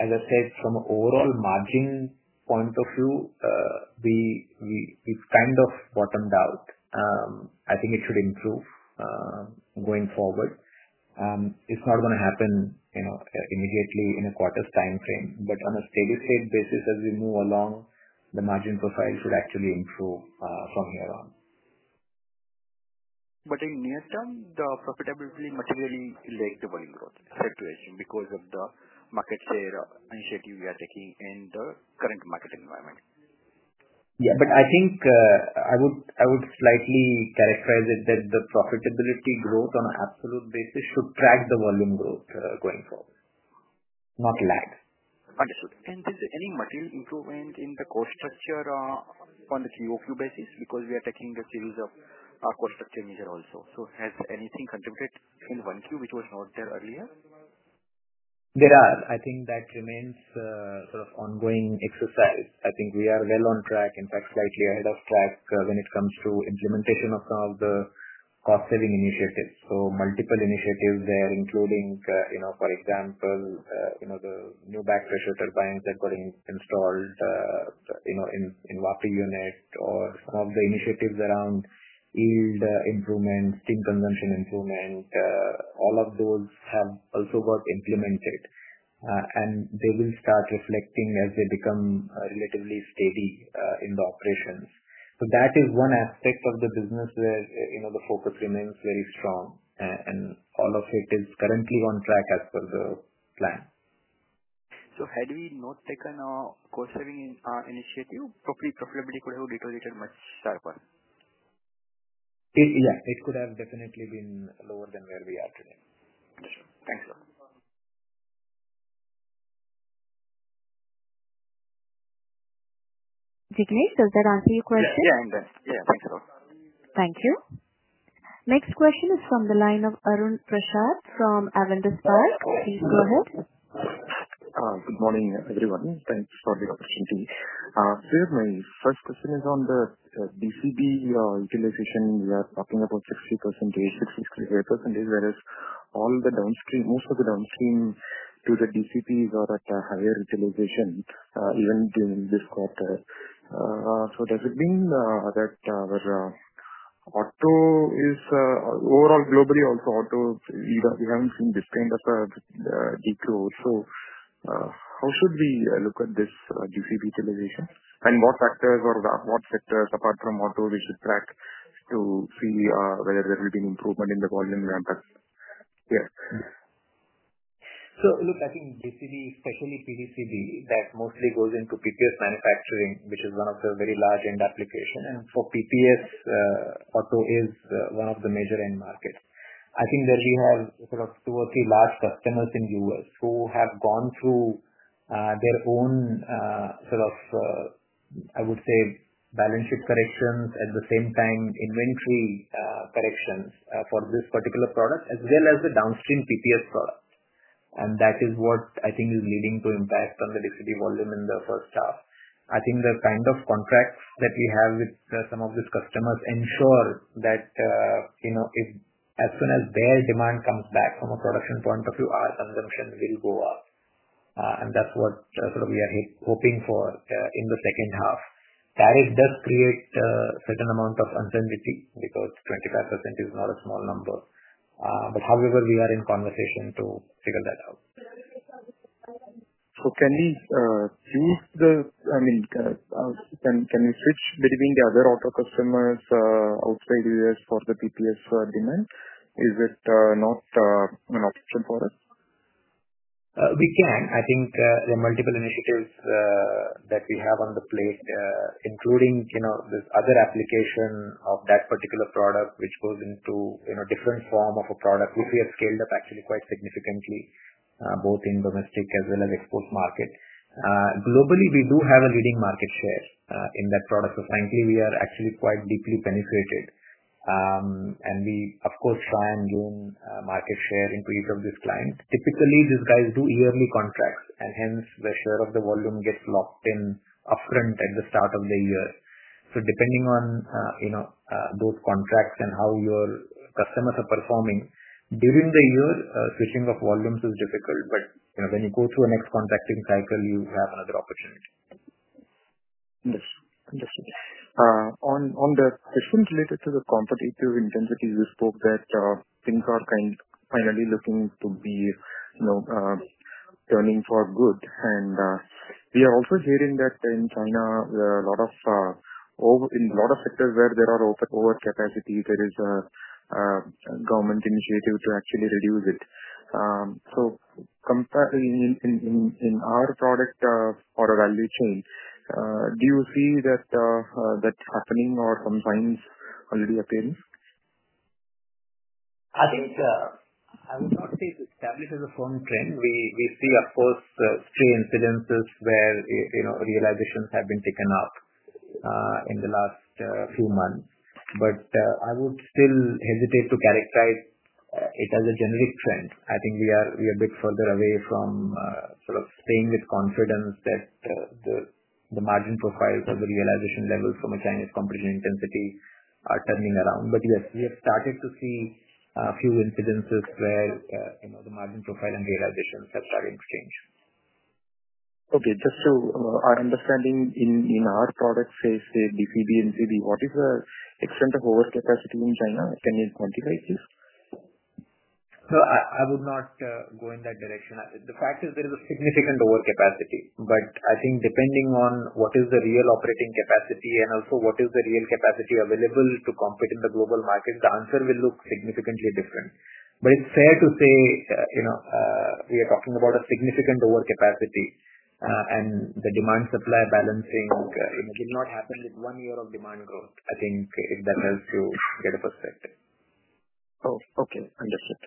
as I said, from an overall margin point of view, it's kind of bottomed out. I think it should improve going forward. It's not going to happen immediately in a quarter's timeframe. On a steady-state basis, as you move along, the margin profile should actually improve from here on. In the near term, the profitability will be materially like the volume growth situation because of the market share initiative we are taking in the current market environment. I think I would slightly characterize it that the profitability growth on an absolute basis should track the volume growth going forward, not lag. Understood. Is there any margin improvement in the cost structure on the Q2 basis? We are taking a series of cost structure measures also. Has anything contributed in the 1Q which was not there earlier? I think that remains sort of an ongoing exercise. I think we are well on track, in fact, slightly ahead of track when it comes to implementation of some of the cost-saving initiatives. Multiple initiatives there include, for example, the new back pressure turbines that were installed in Wafi Units, or some of the initiatives around yield improvements and steam consumption improvement. All of those have also got implemented, and they will start reflecting as they become relatively steady in the operations. That is one aspect of the business where the focus remains very strong, and all of it is currently on track as per the plan. Had we not taken our cost-saving initiative, probably profitability could have deteriorated much starker. Yeah, it could have definitely been lower than where we are today. Thanks, sir. Jignesh, does that answer your question? Yeah, I'm done. Thank you all. Thank you. Next question is from the line of Arun Prasath from Avendus Spark. Please go ahead. Good morning, everyone. Thanks for the opportunity. Sir, my first question is on the DCB utilization. We are talking about 60%, 63%. That is all the downstream, most of the downstream to the DCBs are at a higher utilization, even during this quarter. That would mean that our auto is overall globally also auto. We haven't seen this kind of decrease. How should we look at this DCB utilization? What factors or what sectors, apart from auto, should we track to see whether there will be an improvement in the volume ramp-up? Yes. I think DCB, especially PDCB, that mostly goes into PPS manufacturing, which is one of the very large end applications. For PPS, auto is one of the major end markets. I think there we have two or three large customers in the U.S. who have gone through their own balance sheet corrections at the same time, inventory corrections for this particular product, as well as the downstream PPS product. That is what I think is leading to impact on the DCB volume in the first half. The kind of contracts that we have with some of these customers ensure that, as soon as their demand comes back from a production point of view, our consumption will go up. That is what we are hoping for in the second half. Tariff does create a certain amount of uncertainty because 25% is not a small number. However, we are in conversation to figure that out. Can we switch between the other auto customers outside the U.S. for the PPS demand? Is it not an option for us? I think the multiple initiatives that we have on the plate, including this other application of that particular product, which goes into a different form of a product, which we have scaled up actually quite significantly, both in domestic as well as export market. Globally, we do have a leading market share in that product. Frankly, we are actually quite deeply penetrated. We, of course, found gain market share into each of these clients. Typically, these guys do yearly contracts, and hence the share of the volume gets locked in upfront at the start of the year. Depending on those contracts and how your customers are performing during the year, switching of volumes is difficult. When you go through a next contracting cycle, you have another opportunity. Understood. On the sessions related to the competitive intensity, you spoke that things are kind of finally looking to be turning for good. We are also hearing that in China, in a lot of sectors where there is overcapacity, there is a government initiative to actually reduce it. In our product or value chain, do you see that happening or sometimes already occurring? I think, sir, as we talked, it's established as a firm trend. We see our first three incidences where realizations have been taken up in the last few months. I would still hesitate to characterize it as a generic trend. I think we are a bit further away from staying with confidence that the margin profiles or the realization levels from a Chinese competition intensity are turning around. Yes, we have started to see a few incidences where the margin profile and realizations have started to change. Okay. Just so our understanding in our product space, say DCB and NCB, what is the extent of overcapacity in China? Can you quantify this? I would not go in that direction. The fact is there is a significant overcapacity. I think depending on what is the real operating capacity and also what is the real capacity available to compete in the global markets, the answer will look significantly different. It's fair to say, you know, we are talking about a significant overcapacity. The demand-supply balancing, you know, did not happen with one year of demand growth, I think, if that helps you get a perspective. Oh, okay. Understood.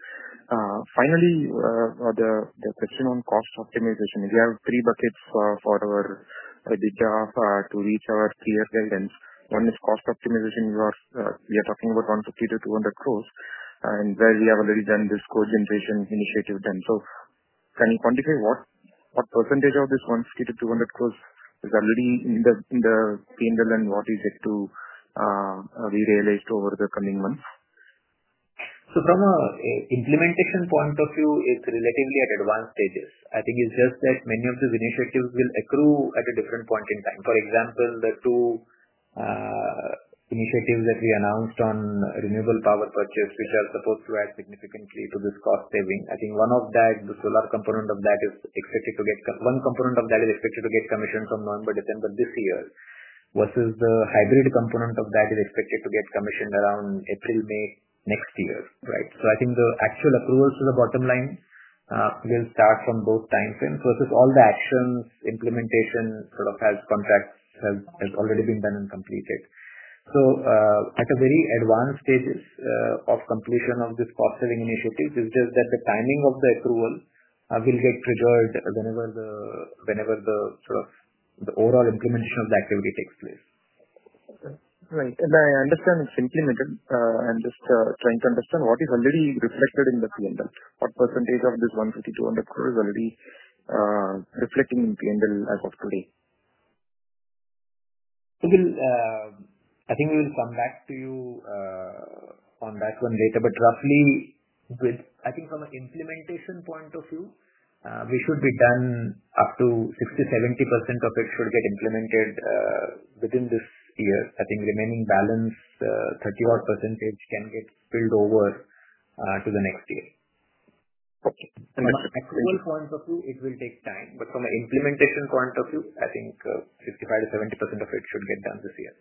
Finally, the question on cost optimization. We have three buckets for our EBITDA to reach our key agendas. One is cost optimization. We are talking about 150 crore-200 crore. We have already done this cost optimization initiative. Can you quantify what % of this 150 crore-200 crore is already in the paying bill and what is to be realized over the coming months? From an implementation point of view, it's relatively at advanced stages. I think it's just that many of these initiatives will accrue at a different point in time. For example, the two initiatives that we announced on renewable energy power purchase agreements, which are supposed to add significantly to this cost saving, I think one of that, the solar component of that, is expected to get commissioned from November to December this year, versus the hybrid component of that is expected to get commissioned around April or May next year, right? I think the actual accruals to the bottom line will start from both timeframes, versus all the action implementation sort of has contracts, has already been done and completed. At a very advanced stage of completion of this cost-saving initiative, this is just that the timing of the accrual will get triggered whenever the sort of the overall implementation of the activity takes place. Right. I understand it's implemented. I'm just trying to understand what is already reflected in the P&L. What percentage of this 150 crore-200 crore is already reflecting in P&L, I suppose, today? I think we will come back to you on that one later. Roughly, I think from an implementation point of view, we should be done up to 60%-70% of it should get implemented within this year. I think the remaining balance, 30% odd, can get spilled over to the next year. From an accrual point of view, it will take time. From an implementation point of view, I think 65%-70% of it should get done this year.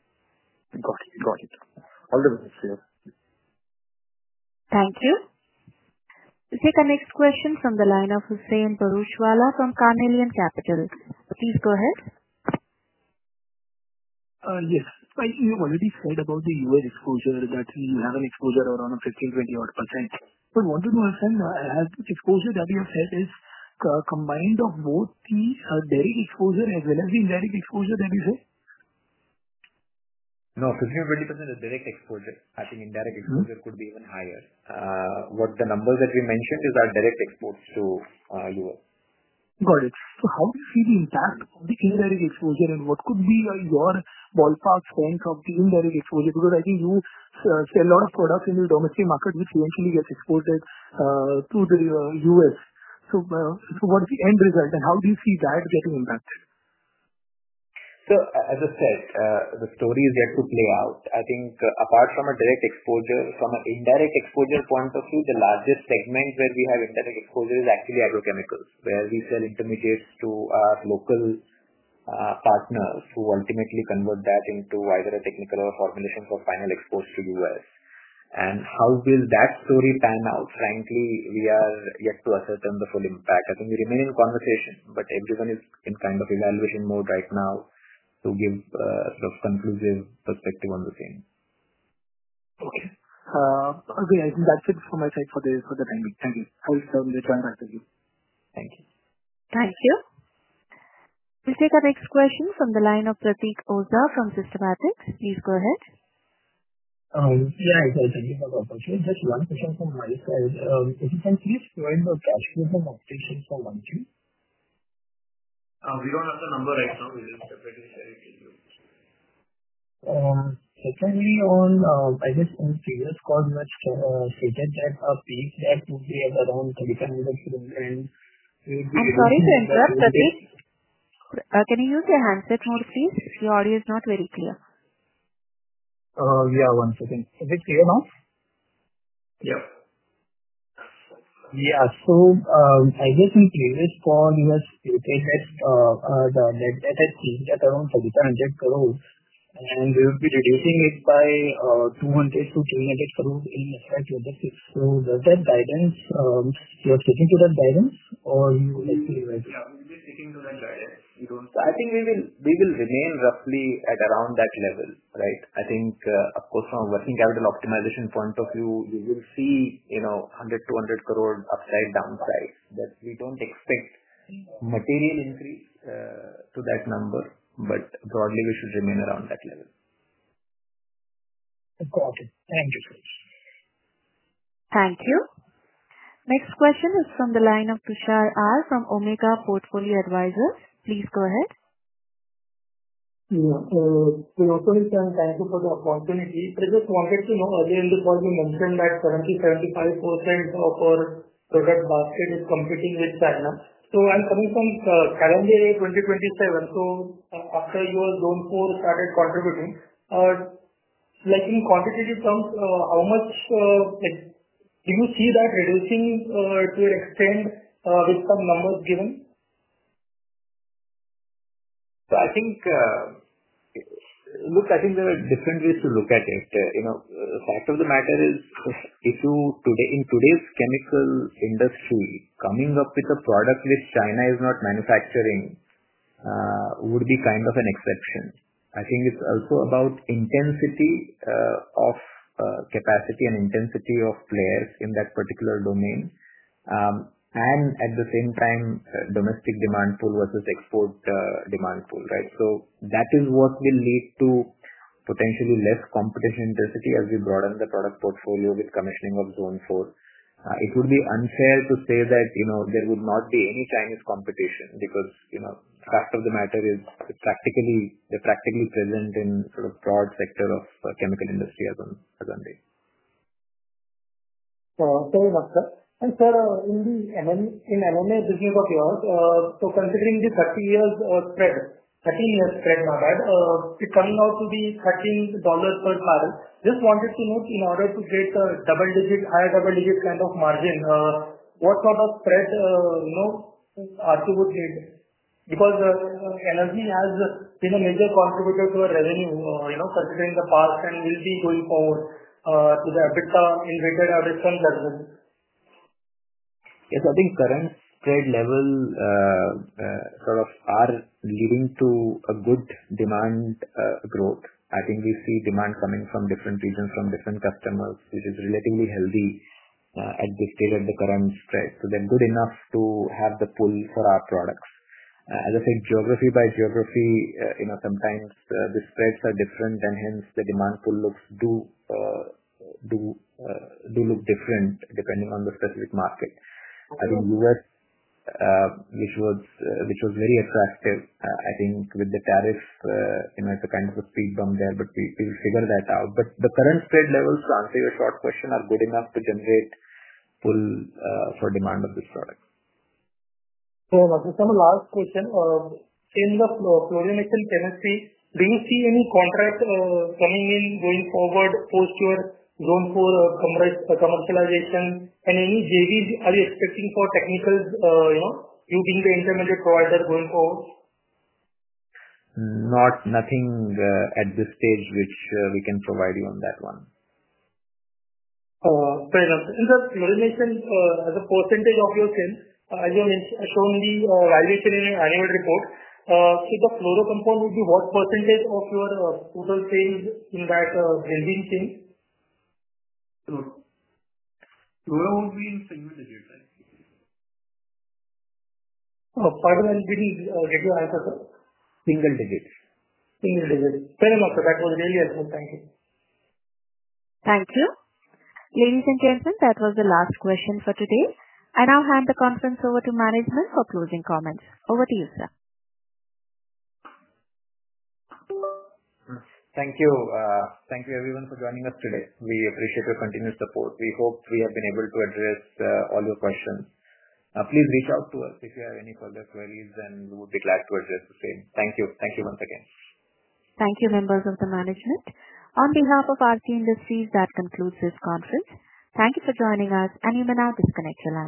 Got it. Got it. All the best, sir. Thank you. We'll take the next question from the line of Hussein Bharuchwala from Carnelian Capital. Please go ahead. Yes. I already spoke about the U.S. exposure that we have an exposure around a 15%-20% odd. I wanted to understand, has this exposure that you have said is combined of both the direct exposure as well as the indirect exposure that you said? No, because you're really talking about direct exposure. I think indirect exposure could be even higher. What the numbers that we mentioned is our direct exports to the U.S. Got it. How do you see the impact of the indirect exposure, and what could be your ballpark point of the indirect exposure? I think you sell a lot of products in the domestic market, which eventually gets exported to the U.S. What is the end result, and how do you see that getting impacted? As I said, the story is yet to play out. I think apart from a direct exposure, from an indirect exposure point of view, the largest segment where we have indirect exposure is actually agrochemical intermediates, where we sell intermediates to our local partners who ultimately convert that into either a technical or a formulation for final exports to the U.S. How will that story pan out? Frankly, we are yet to assess the full impact. I think we remain in conversation, but everyone is in kind of evaluation mode right now to give the conclusive perspective on the same. Okay. Okay. I think that's it from my side for the timing. Thank you. Thanks, sir. Enjoy the rest of your day. Thank you. Thank you. We'll take the next question from the line of Pratik Oza from Systematix. Please go ahead. Yeah, I saw it in your opportunity. Just one question from my side. If you can please join the call for some updates for 1Q? We don't have a number right now. We will definitely share it with you. Finally, on serious calls, let's just check our page that usually has around 300. I'm sorry to interrupt, Pratik. Can you use your handset mode, please? Your audio is not very clear. Yeah, one second. Is it clear now? Yeah. Yeah. In previous calls, Aarti Industries Limited had a net debt at around INR 2,500 crore, and we would be reducing it by INR 200 crore-INR 300 crore in the next 2026. Does that guidance, your signature that guidance, or you will see? Yeah, we'll be sticking to that guidance. I think we will remain roughly at around that level, right? I think, of course, from a working capital optimization point of view, we will see 100 crore, 200 crore upside downside. We don't expect a material increase to that number. Broadly, we should remain around that level. Got it. Thank you. Thank you. Next question is from the line of Tushar R from Omega Portfolio Advisors. Please go ahead. Yeah, thank you for the opportunity. Prasad, wanted to know, earlier in the call you mentioned that 70%-75% of our product basket is competing with China. I'm coming from the calendar year 2027. After your Zone IV started contributing, in quantitative terms, how much do you see that reducing to an extent, with some numbers given? I think there are different ways to look at it. The fact of the matter is if you today in today's chemical industry, coming up with a product which China is not manufacturing would be kind of an exception. I think it's also about intensity of capacity and intensity of players in that particular domain. At the same time, domestic demand pull versus export demand pull, right? That is what will lead to potentially less competition intensity as we broaden the product portfolio with commissioning of Zone IV. It would be unfair to say that there would not be any Chinese competition because the fact of the matter is they're practically present in sort of the broad sector of the chemical industry as on date. Thank you much, sir. In the M&A business of yours, to. Agreed. To 30 years, spread, 15 years spread on that. It comes out to be $13 per child. Just wanted to note in order to get a double-digit, higher double-digit type of margin. What sort of spread, you know, Aarti would need? Because energy has been a major contributor to our revenue, you know, certificating the parks and will be going forward, to the in regeneration level. Yes, I think current spread levels are leading to a good demand growth. I think we see demand coming from different regions, from different customers. It is relatively healthy at this stage of the current space. They're good enough to have the pull for our products. As I said, geography by geography, sometimes the spreads are different and hence the demand pull does look different depending on the specific market. I think the US, which was very attractive, with the tariffs, it's a kind of a speed bump there, but we'll figure that out. The current spread levels, to answer your short question, are good enough to generate pull for demand of this product. I'll ask a last question. In the Florida election tendency, do you see any contracts coming in going forward post your Zone IV commercialization? Any JVs are you expecting for technicals, you know, using the intended provider going forward? Nothing at this stage which we can provide you on that one. Oh, fair enough. In the elimination, as a percentage of your sales, as you mentioned, so many, valuation in annual report, if a plural component would be what percentage of your total sales in that, housing change? Fluoro. Fluoro would be in single digits, I think. Oh, part of everybody's giving out a single digit. Single digit. Fair enough. That was really helpful. Thank you. Thank you. Ladies and gentlemen, that was the last question for today. I'll hand the conference over to management for closing comments. Over to you, sir. Thank you. Thank you, everyone, for joining us today. We appreciate your continued support. We hope we have been able to address all your questions. Please reach out to us if you have any further queries, and we would be glad to address the same. Thank you. Thank you once again. Thank you, members of the management. On behalf of Aarti Industries, that concludes this conference. Thank you for joining us, and you may now disconnect.